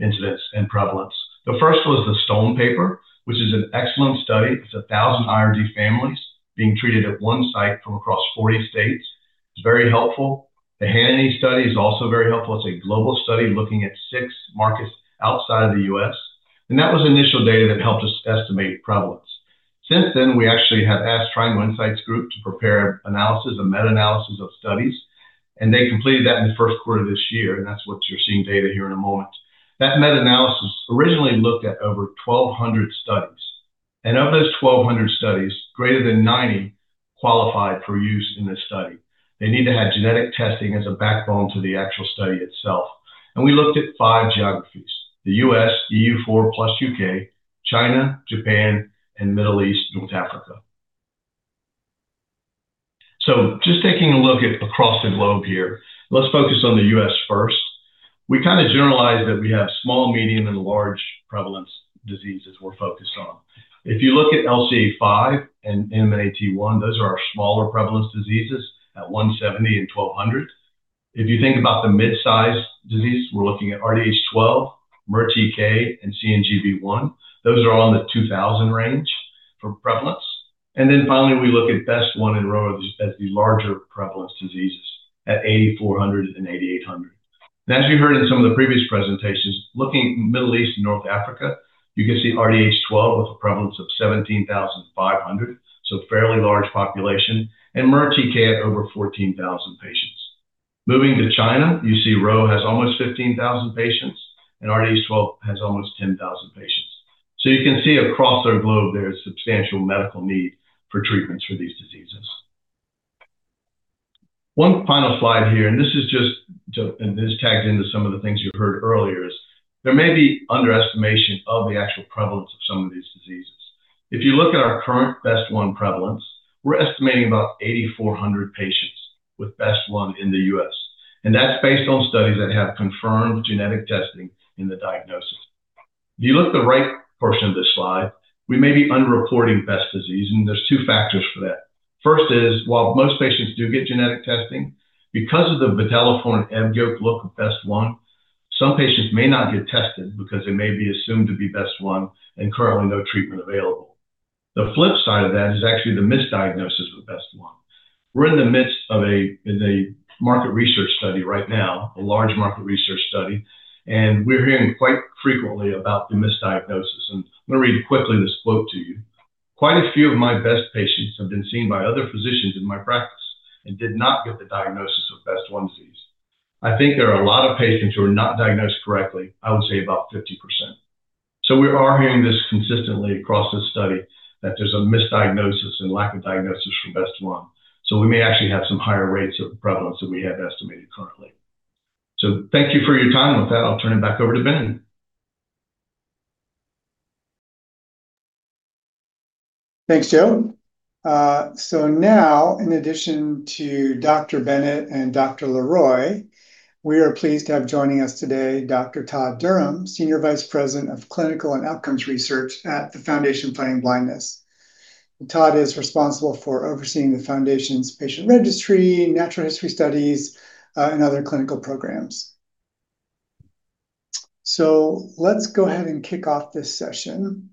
incidence and prevalence. The first was the Stone paper, which is an excellent study. It's a 1,000 IRD families being treated at one site from across 40 states. It's very helpful. The Hanany study is also very helpful. It's a global study looking at six markets outside of the U.S. That was initial data that helped us estimate prevalence. Since then, we actually have asked Triangle Insights Group to prepare analysis and meta-analysis of studies, and they completed that in the first quarter of this year, and that's what you're seeing data here in a moment. That meta-analysis originally looked at over 1,200 studies. Of those 1,200 studies, greater than 90 qualified for use in this study. They need to have genetic testing as a backbone to the actual study itself. We looked at five geographies, the U.S., EU4 plus U.K., China, Japan, and Middle East, North Africa. Just taking a look at across the globe here. Let's focus on the U.S. first. We kind of generalize that we have small, medium, and large prevalence diseases we're focused on. If you look at LCA5 and NMNAT1, those are our smaller prevalence diseases at 170 and 1,200. If you think about the mid-size disease, we're looking at RDH12, MERTK, and CNGB1. Those are on the 2,000 range for prevalence. Then finally, we look at BEST1 and RHO as the larger prevalence diseases at 8,400 and 8,800. As you heard in some of the previous presentations, looking Middle East and North Africa, you can see RDH12 with a prevalence of 17,500, so fairly large population, and MERTK at over 14,000 patients. Moving to China, you see RHO has almost 15,000 patients, and RDH12 has almost 10,000 patients. You can see across our globe, there is substantial medical need for treatments for these diseases. One final slide here, this tags into some of the things you heard earlier is there may be underestimation of the actual prevalence of some of these diseases. If you look at our current BEST1 prevalence, we're estimating about 8,400 patients with BEST1 in the U.S., and that's based on studies that have confirmed genetic testing in the diagnosis. If you look at the right portion of this slide, we may be underreporting BEST disease, and there's 2 factors for that. First is while most patients do get genetic testing, because of the vitelliform and egg-yolk look of BEST1, some patients may not get tested because they may be assumed to be BEST1 and currently no treatment available. The flip side of that is actually the misdiagnosis with BEST1. We're in the midst of a market research study right now, a large market research study, we're hearing quite frequently about the misdiagnosis. I'm going to read quickly this quote to you. "Quite a few of my best patients have been seen by other physicians in my practice and did not get the diagnosis of BEST1 disease. I think there are a lot of patients who are not diagnosed correctly, I would say about 50%." We are hearing this consistently across this study that there's a misdiagnosis and lack of diagnosis for BEST1. We may actually have some higher rates of prevalence than we have estimated currently. Thank you for your time. With that, I'll turn it back over to Ben. Thanks, Joe. Now, in addition to Dr. Bennett and Dr. Leroy, we are pleased to have joining us today Dr. Todd Durham, Senior Vice President of Clinical and Outcomes Research at the Foundation Fighting Blindness. Todd is responsible for overseeing the foundation's patient registry, natural history studies, and other clinical programs. Let's go ahead and kick off this session.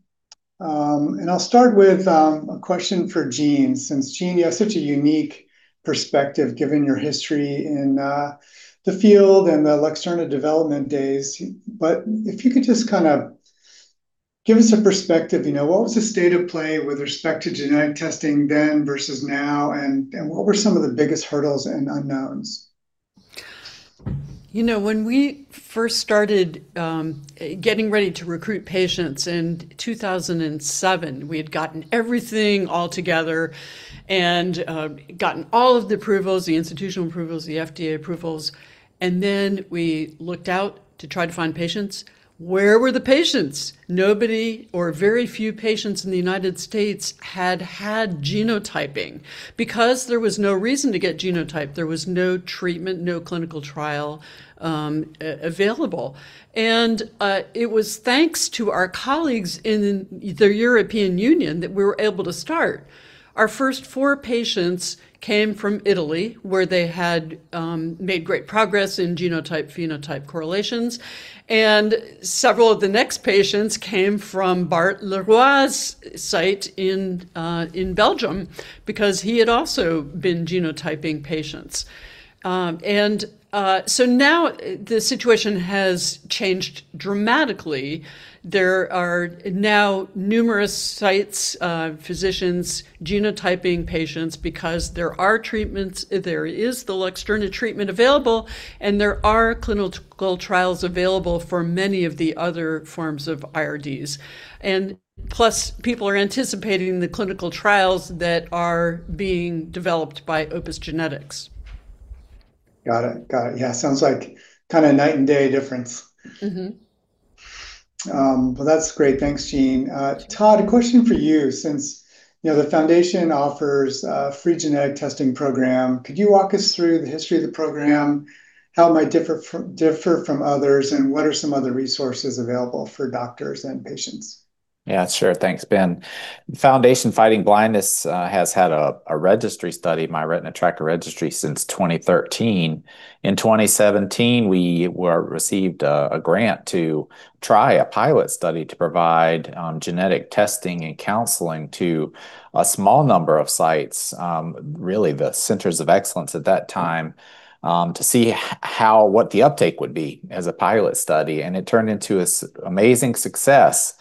I'll start with a question for Jean, since Jean, you have such a unique perspective given your history in the field and the LUXTURNA development days. If you could just give us a perspective, what was the state of play with respect to genetic testing then versus now, and what were some of the biggest hurdles and unknowns? When we first started getting ready to recruit patients in 2007, we had gotten everything all together, gotten all of the approvals, the institutional approvals, the FDA approvals, then we looked out to try to find patients. Where were the patients? Nobody, or very few patients in the U.S. had had genotyping because there was no reason to get genotyped. There was no treatment, no clinical trial available. It was thanks to our colleagues in the European Union that we were able to start. Our first four patients came from Italy, where they had made great progress in genotype-phenotype correlations, and several of the next patients came from Bart Leroy's site in Belgium because he had also been genotyping patients. Now the situation has changed dramatically. There are now numerous sites, physicians genotyping patients because there are treatments, there is the LUXTURNA treatment available, and there are clinical trials available for many of the other forms of IRDs. Plus, people are anticipating the clinical trials that are being developed by Opus Genetics. Got it. Yeah, sounds like night and day difference. Well, that's great. Thanks, Jean. Todd, a question for you, since the Foundation offers a free genetic testing program, could you walk us through the history of the program? How it might differ from others, and what are some other resources available for doctors and patients? Yeah, sure. Thanks, Ben. The Foundation Fighting Blindness has had a registry study, My Retina Tracker Registry, since 2013. In 2017, we received a grant to try a pilot study to provide genetic testing and counseling to a small number of sites, really the centers of excellence at that time, to see what the uptake would be as a pilot study, it turned into an amazing success.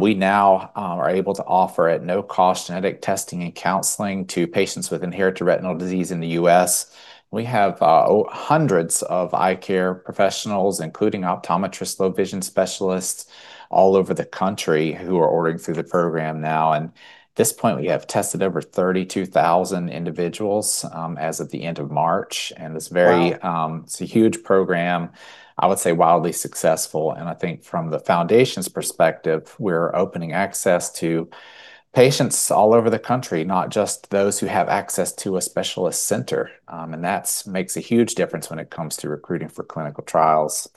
We now are able to offer at no cost genetic testing and counseling to patients with inherited retinal disease in the U.S. We have hundreds of eye care professionals, including optometrists, low vision specialists all over the country who are ordering through the program now. At this point, we have tested over 32,000 individuals as of the end of March. It's a huge program, I would say wildly successful. I think from the Foundation's perspective, we're opening access to patients all over the country, not just those who have access to a specialist center. That makes a huge difference when it comes to recruiting for clinical trials.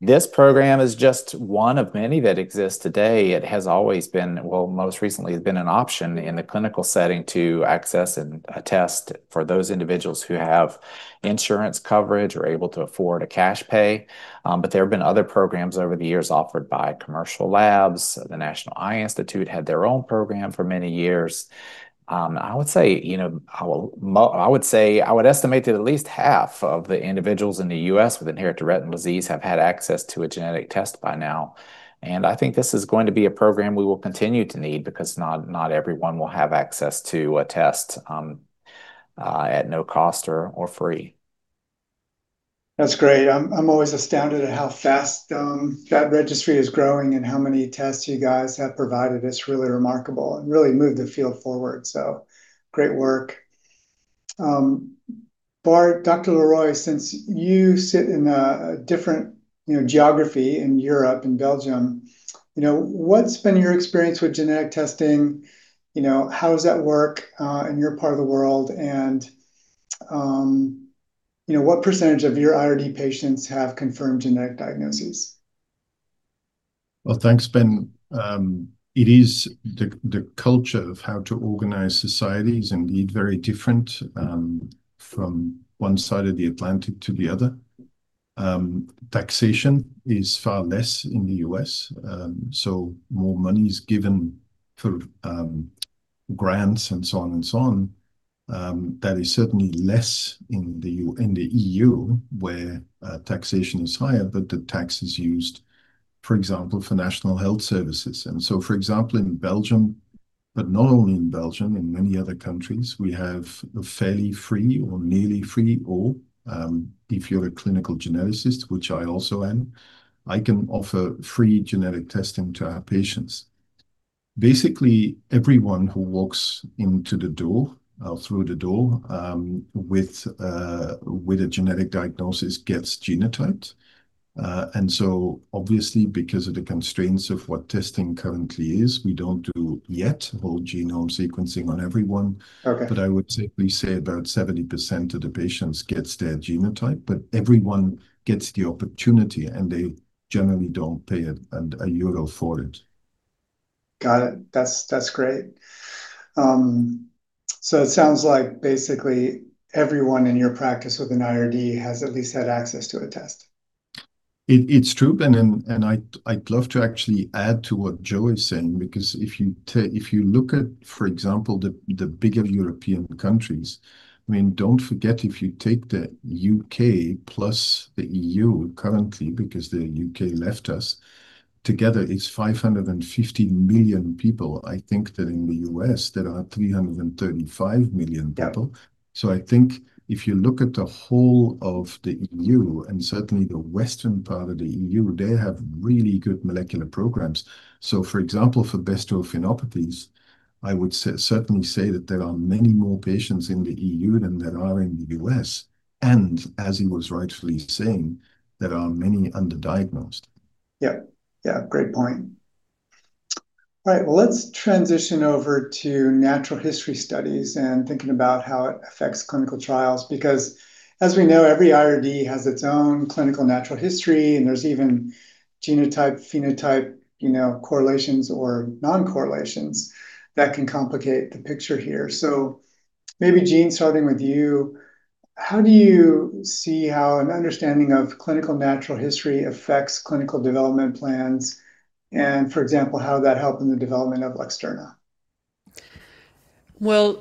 This program is just one of many that exist today. It has always been, well, most recently has been an option in the clinical setting to access and test for those individuals who have insurance coverage or able to afford a cash pay. There have been other programs over the years offered by commercial labs. The National Eye Institute had their own program for many years. I would estimate that at least half of the individuals in the U.S. with inherited retinal disease have had access to a genetic test by now. I think this is going to be a program we will continue to need because not everyone will have access to a test at no cost or free. That's great. I'm always astounded at how fast that registry is growing and how many tests you guys have provided. It's really remarkable and really moved the field forward. Great work. Bart, Dr. Leroy, since you sit in a different geography in Europe, in Belgium, what's been your experience with genetic testing? How does that work in your part of the world, and what percentage of your IRD patients have confirmed genetic diagnoses? Well, thanks, Ben. It is the culture of how to organize societies, indeed very different from one side of the Atlantic to the other. Taxation is far less in the U.S., more money is given through grants and so on. That is certainly less in the EU, where taxation is higher, but the tax is used, for example, for national health services. For example, in Belgium, but not only in Belgium, in many other countries, we have a fairly free or nearly free, or if you're a clinical geneticist, which I also am, I can offer free genetic testing to our patients. Basically, everyone who walks into the door or through the door with a genetic diagnosis gets genotyped. Obviously because of the constraints of what testing currently is, we don't do yet whole genome sequencing on everyone. I would safely say about 70% of the patients gets their genotype, but everyone gets the opportunity, and they generally don't pay EUR 1 for it. Got it. That's great. It sounds like basically everyone in your practice with an IRD has at least had access to a test. It's true. I'd love to actually add to what Joe is saying, because if you look at, for example, the bigger European countries, don't forget, if you take the U.K. plus the E.U. currently, because the U.K. left us, together, it's 550 million people. I think that in the U.S., there are 335 million people. I think if you look at the whole of the E.U. and certainly the western part of the E.U., they have really good molecular programs. For example, for bestrophinopathies, I would certainly say that there are many more patients in the E.U. than there are in the U.S., and as he was rightfully saying, there are many underdiagnosed. Yeah. Great point. Well, let's transition over to natural history studies and thinking about how it affects clinical trials. As we know, every IRD has its own clinical natural history, and there's even genotype, phenotype correlations or non-correlations that can complicate the picture here. Maybe, Jean, starting with you, how do you see how an understanding of clinical natural history affects clinical development plans? For example, how that helped in the development of LUXTURNA? Well,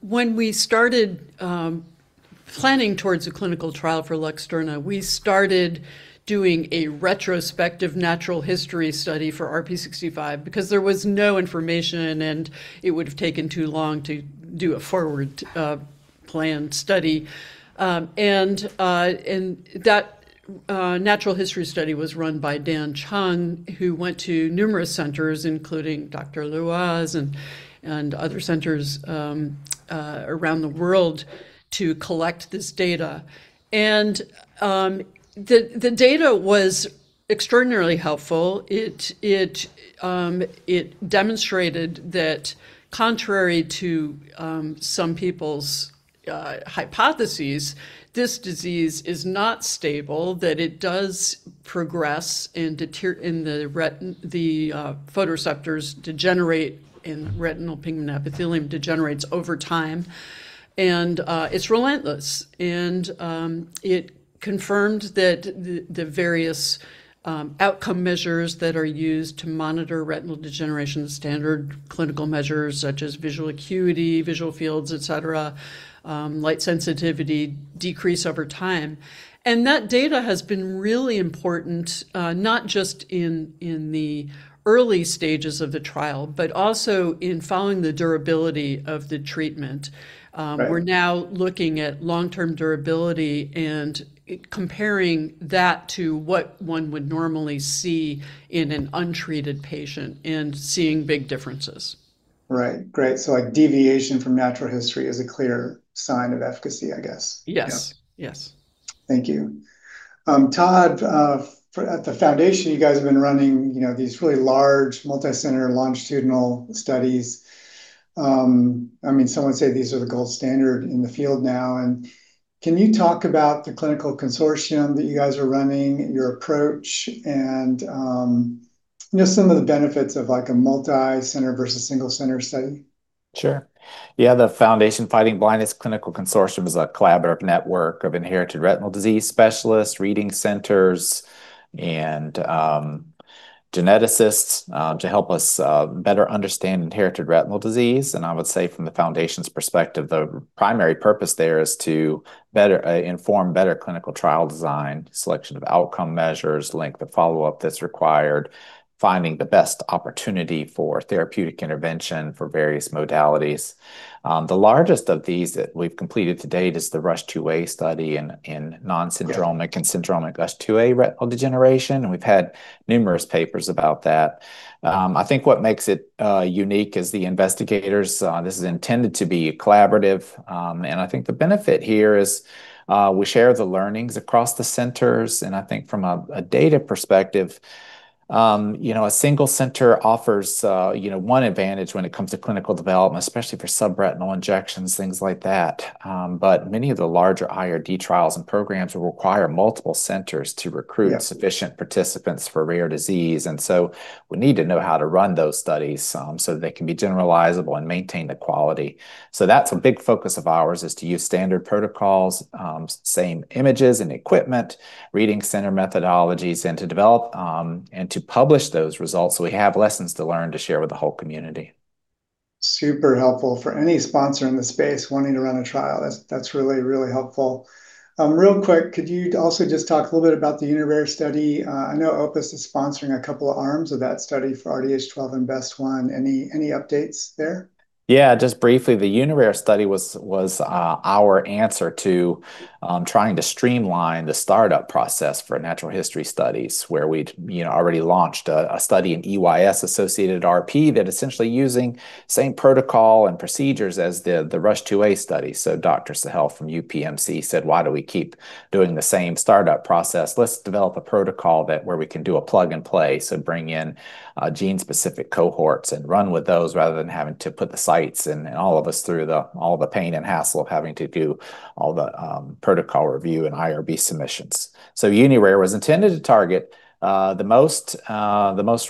when we started planning towards a clinical trial for LUXTURNA, we started doing a retrospective natural history study for RPE65 because there was no information, and it would've taken too long to do a forward planned study. That natural history study was run by Daniel Chung, who went to numerous centers, including Dr. Bart Leroy, and other centers around the world to collect this data. The data was extraordinarily helpful. It demonstrated that contrary to some people's hypotheses, this disease is not stable, that it does progress and the photoreceptors degenerate, and retinal pigment epithelium degenerates over time. It's relentless. It confirmed that the various outcome measures that are used to monitor retinal degeneration, the standard clinical measures such as visual acuity, visual fields, et cetera, light sensitivity decrease over time. That data has been really important, not just in the early stages of the trial, but also in following the durability of the treatment. We're now looking at long-term durability and comparing that to what one would normally see in an untreated patient and seeing big differences. Right. Great. Deviation from natural history is a clear sign of efficacy, I guess. Yes. Yeah. Yes. Thank you. Todd, at the Foundation, you guys have been running these really large, multi-center longitudinal studies. Some would say these are the gold standard in the field now. Can you talk about the Foundation Fighting Blindness Clinical Consortium that you guys are running, your approach, and some of the benefits of a multi-center versus single-center study? Sure. Yeah. The Foundation Fighting Blindness Clinical Consortium is a collaborative network of inherited retinal disease specialists, reading centers, and geneticists to help us better understand inherited retinal disease. I would say from the Foundation's perspective, the primary purpose there is to better inform better clinical trial design, selection of outcome measures, length of follow-up that's required, finding the best opportunity for therapeutic intervention for various modalities. The largest of these that we've completed to date is the USH2A study in non-syndromic and syndromic USH2A retinal degeneration. We've had numerous papers about that. I think what makes it unique is the investigators. This is intended to be collaborative. I think the benefit here is we share the learnings across the centers. I think from a data perspective, a single-center offers one advantage when it comes to clinical development, especially for subretinal injections, things like that. Many of the larger IRD trials and programs will require multiple-centers to recruit sufficient participants for rare disease. We need to know how to run those studies so that they can be generalizable and maintain the quality. That's a big focus of ours is to use standard protocols, same images and equipment, reading center methodologies, and to develop and to publish those results so we have lessons to learn to share with the whole community. Super helpful for any sponsor in the space wanting to run a trial. That's really, really helpful. Real quick, could you also just talk a little bit about the Uni-Rare study? I know Opus is sponsoring a couple of arms of that study for RDH12 and BEST1. Any updates there? Yeah, just briefly. The Uni-Rare study was our answer to trying to streamline the startup process for natural history studies where we'd already launched a study in EYS-associated RP that essentially using same protocol and procedures as the USH2A study. Dr. Sahel from UPMC said, "Why do we keep doing the same startup process? Let's develop a protocol that where we can do a plug and play." Bring in gene-specific cohorts and run with those rather than having to put the sites and all of us through all the pain and hassle of having to do all the protocol review and IRB submissions. Uni-Rare was intended to target the most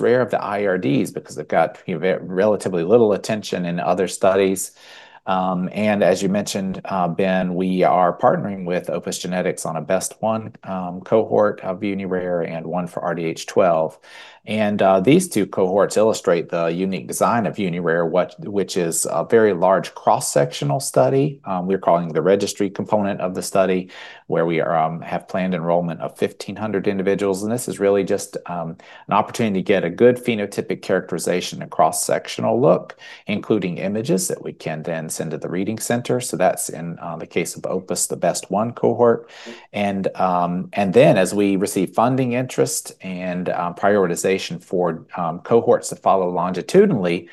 rare of the IRDs because they've got relatively little attention in other studies. As you mentioned, Ben, we are partnering with Opus Genetics on a BEST1 cohort of Uni-Rare and one for RDH12. These two cohorts illustrate the unique design of Uni-Rare, which is a very large cross-sectional study we're calling the registry component of the study where we have planned enrollment of 1,500 individuals. This is really just an opportunity to get a good phenotypic characterization, a cross-sectional look, including images that we can then send to the reading center. That's in the case of Opus, the BEST1 cohort. Then as we receive funding interest and prioritization for cohorts to follow longitudinally,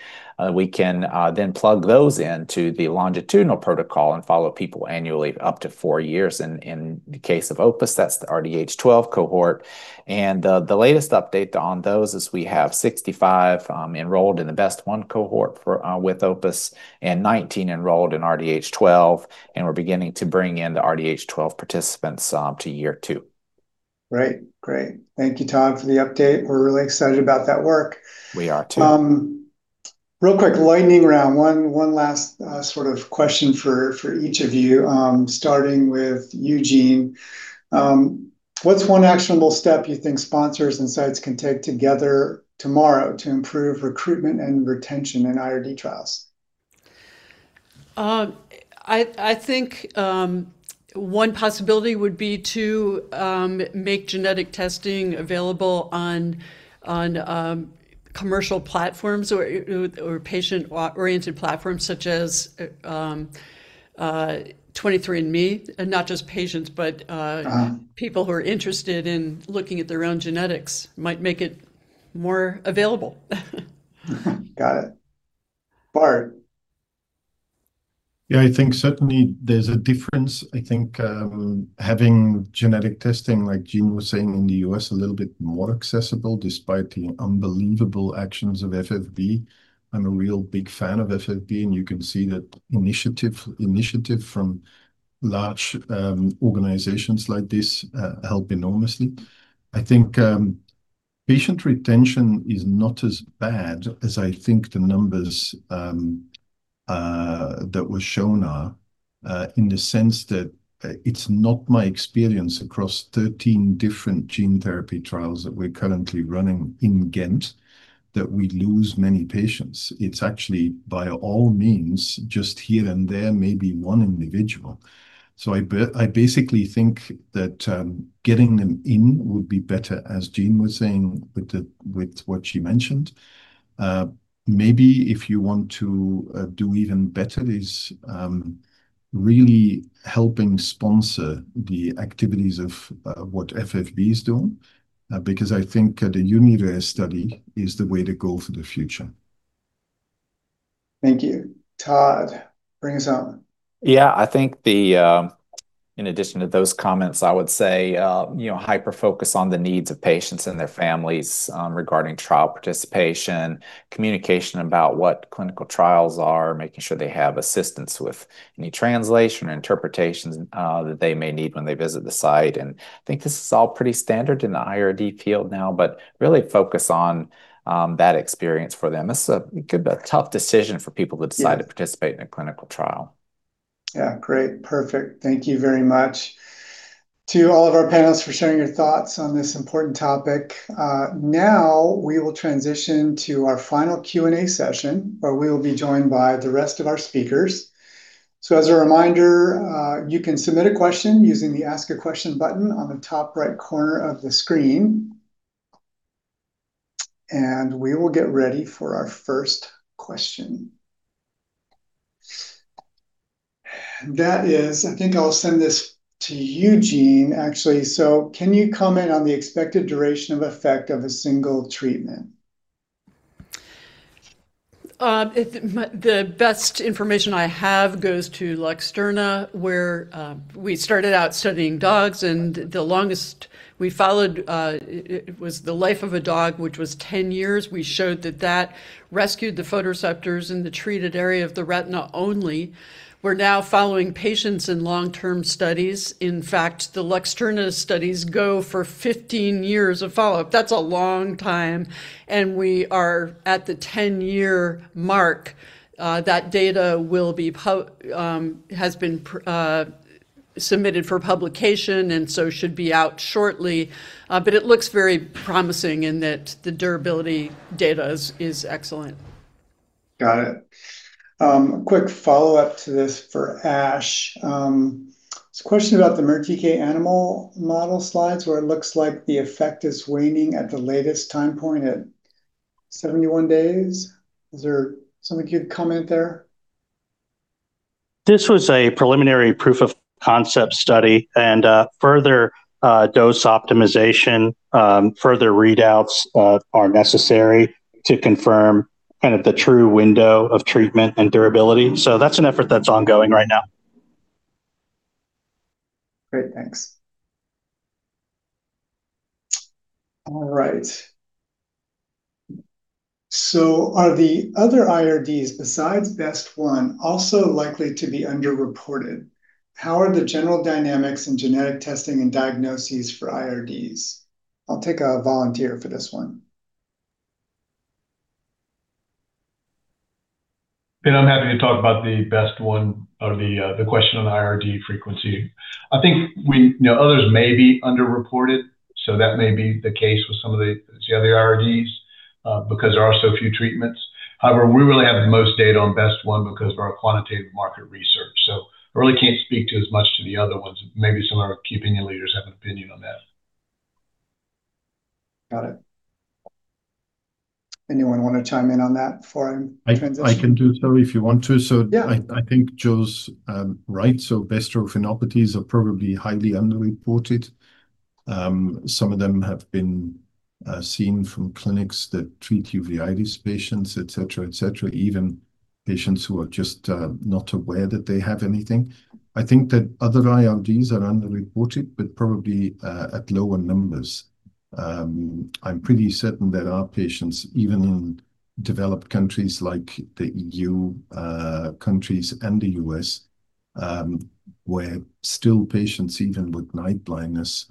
we can then plug those into the longitudinal protocol and follow people annually up to four years. In the case of Opus, that's the RDH12 cohort. The latest update on those is we have 65 enrolled in the BEST1 cohort with Opus and 19 enrolled in RDH12, and we're beginning to bring in the RDH12 participants to year two. Great. Thank you, Todd, for the update. We're really excited about that work. We are too. Real quick, lightning round. One last sort of question for each of you, starting with Jean. What's one actionable step you think sponsors and sites can take together tomorrow to improve recruitment and retention in IRD trials? I think one possibility would be to make genetic testing available on commercial platforms or patient-oriented platforms such as 23andMe and not just patients, people who are interested in looking at their own genetics might make it more available. Got it. Bart? Yeah, I think certainly there's a difference. I think having genetic testing, like Jean was saying, in the U.S. a little bit more accessible despite the unbelievable actions of FFB. I'm a real big fan of FFB, and you can see that initiative from large organizations like this help enormously. I think patient retention is not as bad as I think the numbers that were shown are in the sense that it's not my experience across 13 different gene therapy trials that we're currently running in Ghent that we lose many patients. It's actually by all means just here and there, maybe one individual. I basically think that getting them in would be better, as Jean was saying with what she mentioned. Maybe if you want to do even better is really helping sponsor the activities of what FFB is doing because I think the Uni-Rare study is the way to go for the future. Thank you. Todd, bring us home. Yeah, I think in addition to those comments, I would say hyper-focus on the needs of patients and their families regarding trial participation, communication about what clinical trials are, making sure they have assistance with any translation or interpretations that they may need when they visit the site. I think this is all pretty standard in the IRD field now, but really focus on that experience for them. This is a tough decision for people to participate in a clinical trial. Yeah. Great. Perfect. Thank you very much to all of our panelists for sharing your thoughts on this important topic. Now we will transition to our final Q&A session, where we will be joined by the rest of our speakers. As a reminder, you can submit a question using the Ask a Question button on the top right corner of the screen, we will get ready for our first question. That is, I think I'll send this to Jean, actually. Can you comment on the expected duration of effect of a single treatment? The best information I have goes to LUXTURNA, where we started out studying dogs, and the longest we followed was the life of a dog, which was 10 years. We showed that that rescued the photoreceptors in the treated area of the retina only. We're now following patients in long-term studies. In fact, the LUXTURNA studies go for 15 years of follow-up. That's a long time, and we are at the 10-year mark. That data has been Submitted for publication, should be out shortly. It looks very promising in that the durability data is excellent. Got it. Quick follow-up to this for Ash. There's a question about the MERTK animal model slides where it looks like the effect is waning at the latest time point at 71 days. Is there something you'd comment there? This was a preliminary proof of concept study and further dose optimization, further readouts are necessary to confirm the true window of treatment and durability. That's an effort that's ongoing right now. Great, thanks. All right. Are the other IRDs besides BEST1 also likely to be underreported? How are the general dynamics in genetic testing and diagnoses for IRDs? I'll take a volunteer for this one. Ben, I'm happy to talk about the BEST1 or the question on IRD frequency. I think others may be underreported. That may be the case with some of the other IRDs because there are so few treatments. However, we really have the most data on BEST1 because of our quantitative market research. I really can't speak to as much to the other ones. Maybe some of our key opinion leaders have an opinion on that. Got it. Anyone want to chime in on that before I transition? I can do so if you want to. Yeah. I think Joe's right. Bestrophinopathies are probably highly underreported. Some of them have been seen from clinics that treat uveitis patients, et cetera. Even patients who are just not aware that they have anything. I think that other IRDs are underreported, but probably at lower numbers. I'm pretty certain there are patients, even in developed countries like the EU countries and the U.S., where still patients even with night blindness,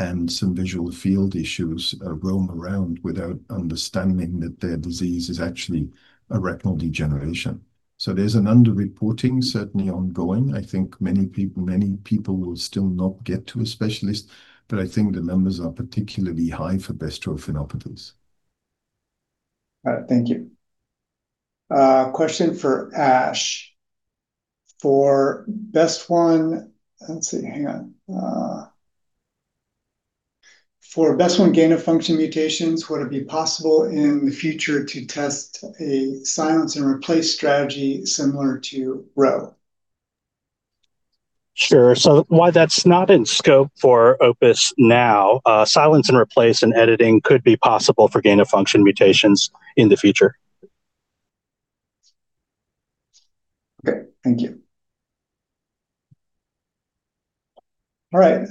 and some visual field issues roam around without understanding that their disease is actually a retinal degeneration. There's an underreporting certainly ongoing. I think many people will still not get to a specialist, but I think the numbers are particularly high for bestrophinopathies. All right. Thank you. Question for Ash. Let's see. Hang on. For BEST1 gain-of-function mutations, would it be possible in the future to test a silence-and-replace strategy similar to RHO? Sure. While that's not in scope for Opus now, silence and replace and editing could be possible for gain-of-function mutations in the future. Okay. Thank you. All right.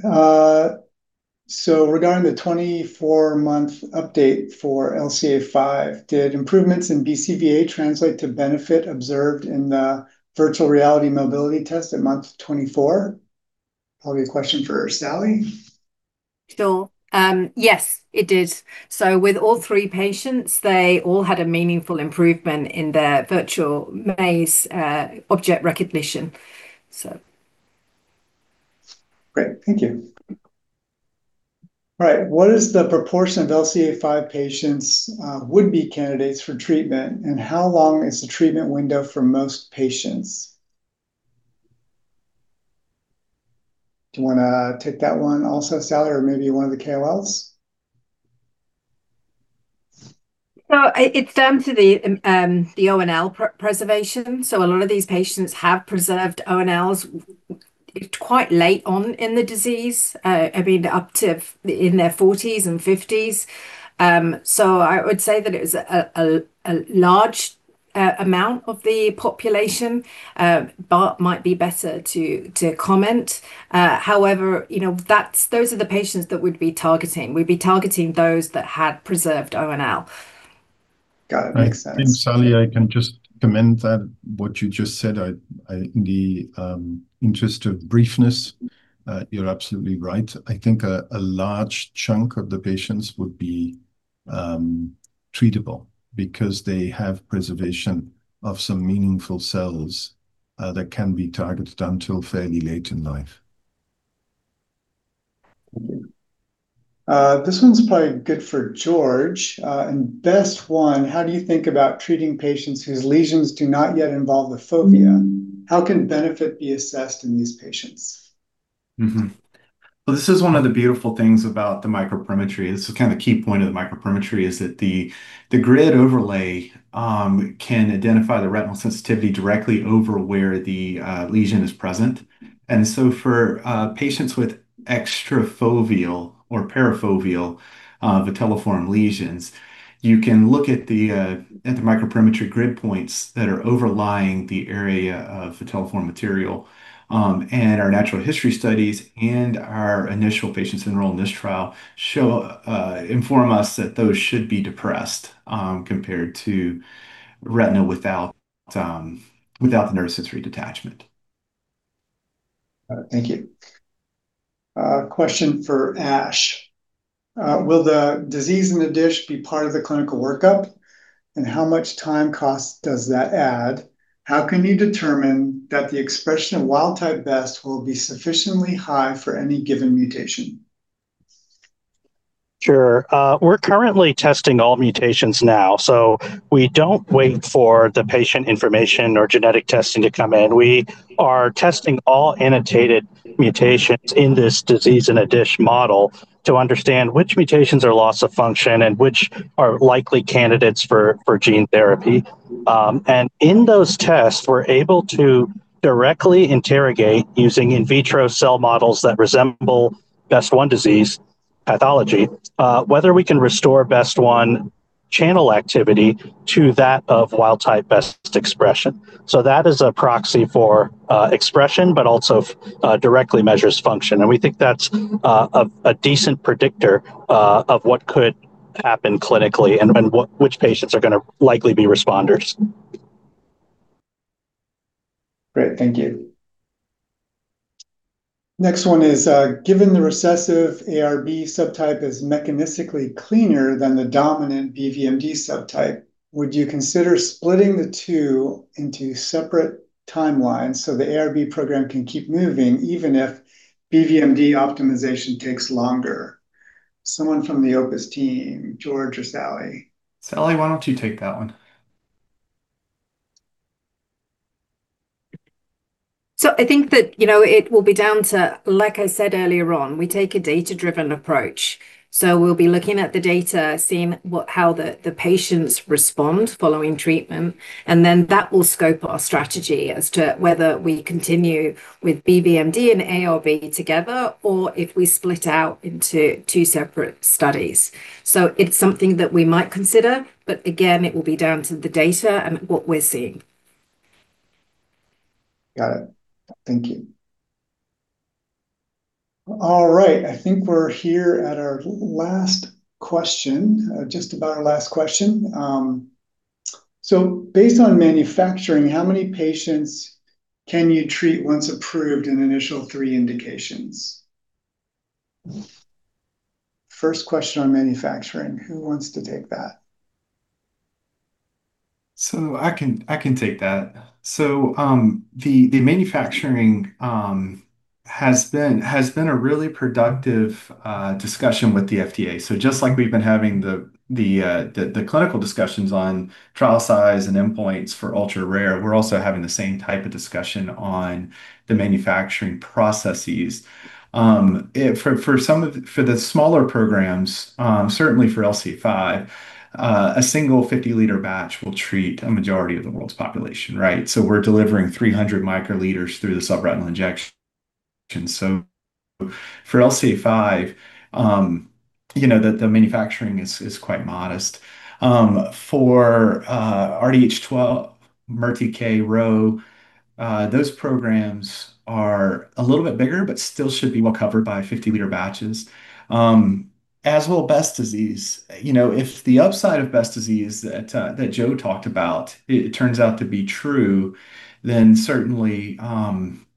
Regarding the 24-month update for LCA5, did improvements in BCVA translate to benefit observed in the virtual reality mobility test at month 24? Probably a question for Sally. Sure. Yes, it is. With all three patients, they all had a meaningful improvement in their virtual maze object recognition. Great, thank you. All right. What is the proportion of LCA5 patients would-be candidates for treatment, and how long is the treatment window for most patients? Do you want to take that one also, Sally, or maybe one of the KOLs? It's down to the ONL preservation. A lot of these patients have preserved ONLs quite late on in the disease. Up to in their forties and fifties. I would say that it was a large amount of the population. Bart might be better to comment. However, those are the patients that we'd be targeting. We'd be targeting those that had preserved ONL. Got it. Makes sense. Sally, I can just comment that what you just said. In the interest of briefness, you're absolutely right. I think a large chunk of the patients would be treatable because they have preservation of some meaningful cells that can be targeted until fairly late in life. Thank you. This one's probably good for George. In BEST1, how do you think about treating patients whose lesions do not yet involve the fovea? How can benefit be assessed in these patients? Well, this is one of the beautiful things about the microperimetry. This is kind of the key point of the microperimetry, is that the grid overlay can identify the retinal sensitivity directly over where the lesion is present. For patients with extrafoveal or parafoveal vitelliform lesions, you can look at the microperimetry grid points that are overlying the area of vitelliform material. Our natural history studies and our initial patients enrolled in this trial inform us that those should be depressed compared to retina without neurosensory detachment. All right. Thank you. A question for Ash. Will the disease in the dish be part of the clinical workup? How much time cost does that add? How can you determine that the expression of wild-type BEST will be sufficiently high for any given mutation? Sure. We're currently testing all mutations now, so we don't wait for the patient information or genetic testing to come in. We are testing all annotated mutations in this disease in a dish model to understand which mutations are loss of function and which are likely candidates for gene therapy. In those tests, we're able to directly interrogate using in vitro cell models that resemble BEST1 disease pathology, whether we can restore BEST1 channel activity to that of wild-type BEST expression. That is a proxy for expression, but also directly measures function. We think that's a decent predictor of what could happen clinically and which patients are going to likely be responders. Great. Thank you. Next one is, given the recessive ARB subtype is mechanistically cleaner than the dominant BVMD subtype, would you consider splitting the two into separate timelines so the ARB program can keep moving even if BVMD optimization takes longer? Someone from the Opus team, George or Sally. Sally, why don't you take that one? I think that, it will be down to, like I said earlier on, we take a data-driven approach. We'll be looking at the data, seeing how the patients respond following treatment, and then that will scope our strategy as to whether we continue with BVMD and ARB together or if we split out into two separate studies. It's something that we might consider, again, it will be down to the data and what we're seeing. Got it. Thank you. All right. I think we're here at our last question, just about our last question. Based on manufacturing, how many patients can you treat once approved in initial three indications? First question on manufacturing, who wants to take that? I can take that. The manufacturing has been a really productive discussion with the FDA. Just like we have been having the clinical discussions on trial size and endpoints for ultra-rare, we are also having the same type of discussion on the manufacturing processes. For the smaller programs, certainly for LCA5, a single 50-liter batch will treat a majority of the world's population, right? We are delivering 300 microliters through the subretinal injection. For LCA5, the manufacturing is quite modest. For RDH12, MERTK, RHO, those programs are a little bit bigger, but still should be well covered by 50-liter batches. As will Best disease. If the upside of Best disease that Joe talked about, it turns out to be true, then certainly,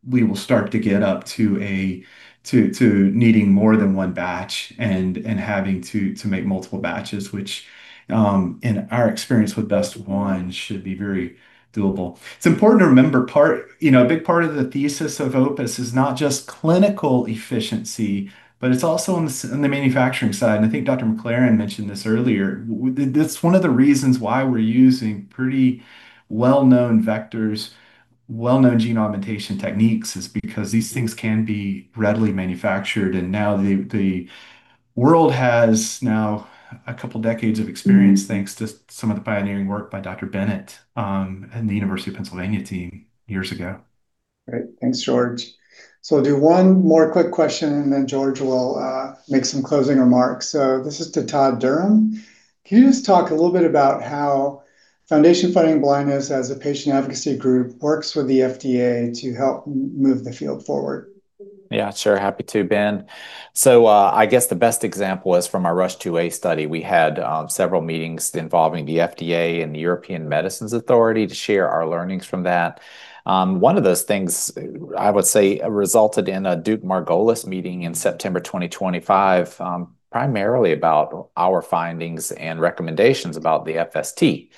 we will start to get up to needing more than one batch and having to make multiple batches, which, in our experience with BEST1 should be very doable. It is important to remember part, a big part of the thesis of OPUS is not just clinical efficiency, but it is also on the manufacturing side. I think Dr. MacLaren mentioned this earlier. That is one of the reasons why we are using pretty well-known vectors, well-known gene augmentation techniques, is because these things can be readily manufactured. Now the world has now a couple decades of experience, thanks to some of the pioneering work by Dr. Bennett, and the University of Pennsylvania team years ago. Great. Thanks, George. I will do one more quick question, George will make some closing remarks. This is to Dr. Todd Durham. Can you just talk a little bit about how Foundation Fighting Blindness as a patient advocacy group works with the FDA to help move the field forward? Yeah, sure. Happy to, Ben. I guess the best example is from our USH2A study. We had several meetings involving the FDA and the European Medicines Agency to share our learnings from that. One of those things, I would say, resulted in a Duke-Margolis meeting in September 2025, primarily about our findings and recommendations about the FST.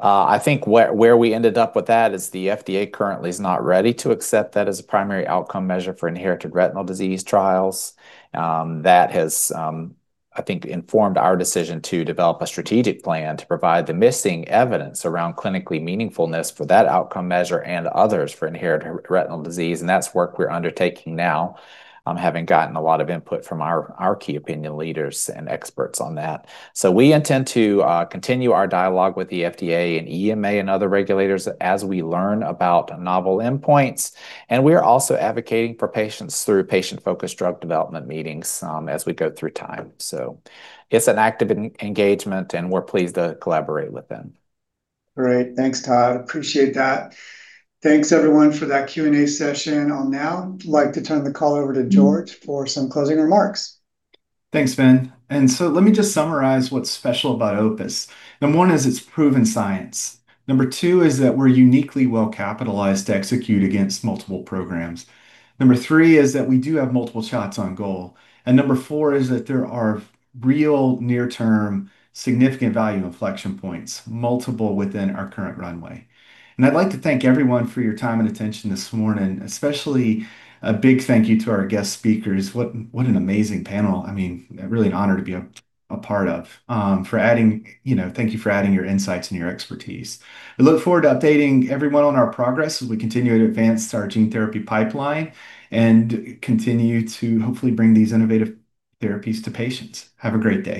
I think where we ended up with that is the FDA currently is not ready to accept that as a primary outcome measure for inherited retinal disease trials. That has, I think, informed our decision to develop a strategic plan to provide the missing evidence around clinically meaningfulness for that outcome measure and others for inherited retinal disease. That is work we are undertaking now, having gotten a lot of input from our key opinion leaders and experts on that. We intend to continue our dialogue with the FDA and EMA and other regulators as we learn about novel endpoints. We're also advocating for patients through patient-focused drug development meetings as we go through time. It's an active engagement, and we're pleased to collaborate with them. Great. Thanks, Todd. Appreciate that. Thanks everyone for that Q&A session. I'll now like to turn the call over to George for some closing remarks. Thanks, Ben. Let me just summarize what's special about Opus. Number one is it's proven science. Number two is that we're uniquely well-capitalized to execute against multiple programs. Number three is that we do have multiple shots on goal. Number four is that there are real near-term significant value inflection points, multiple within our current runway. I'd like to thank everyone for your time and attention this morning, especially a big thank you to our guest speakers. What an amazing panel. I mean, really an honor to be a part of. For adding, thank you for adding your insights and your expertise. We look forward to updating everyone on our progress as we continue to advance our gene therapy pipeline and continue to hopefully bring these innovative therapies to patients. Have a great day.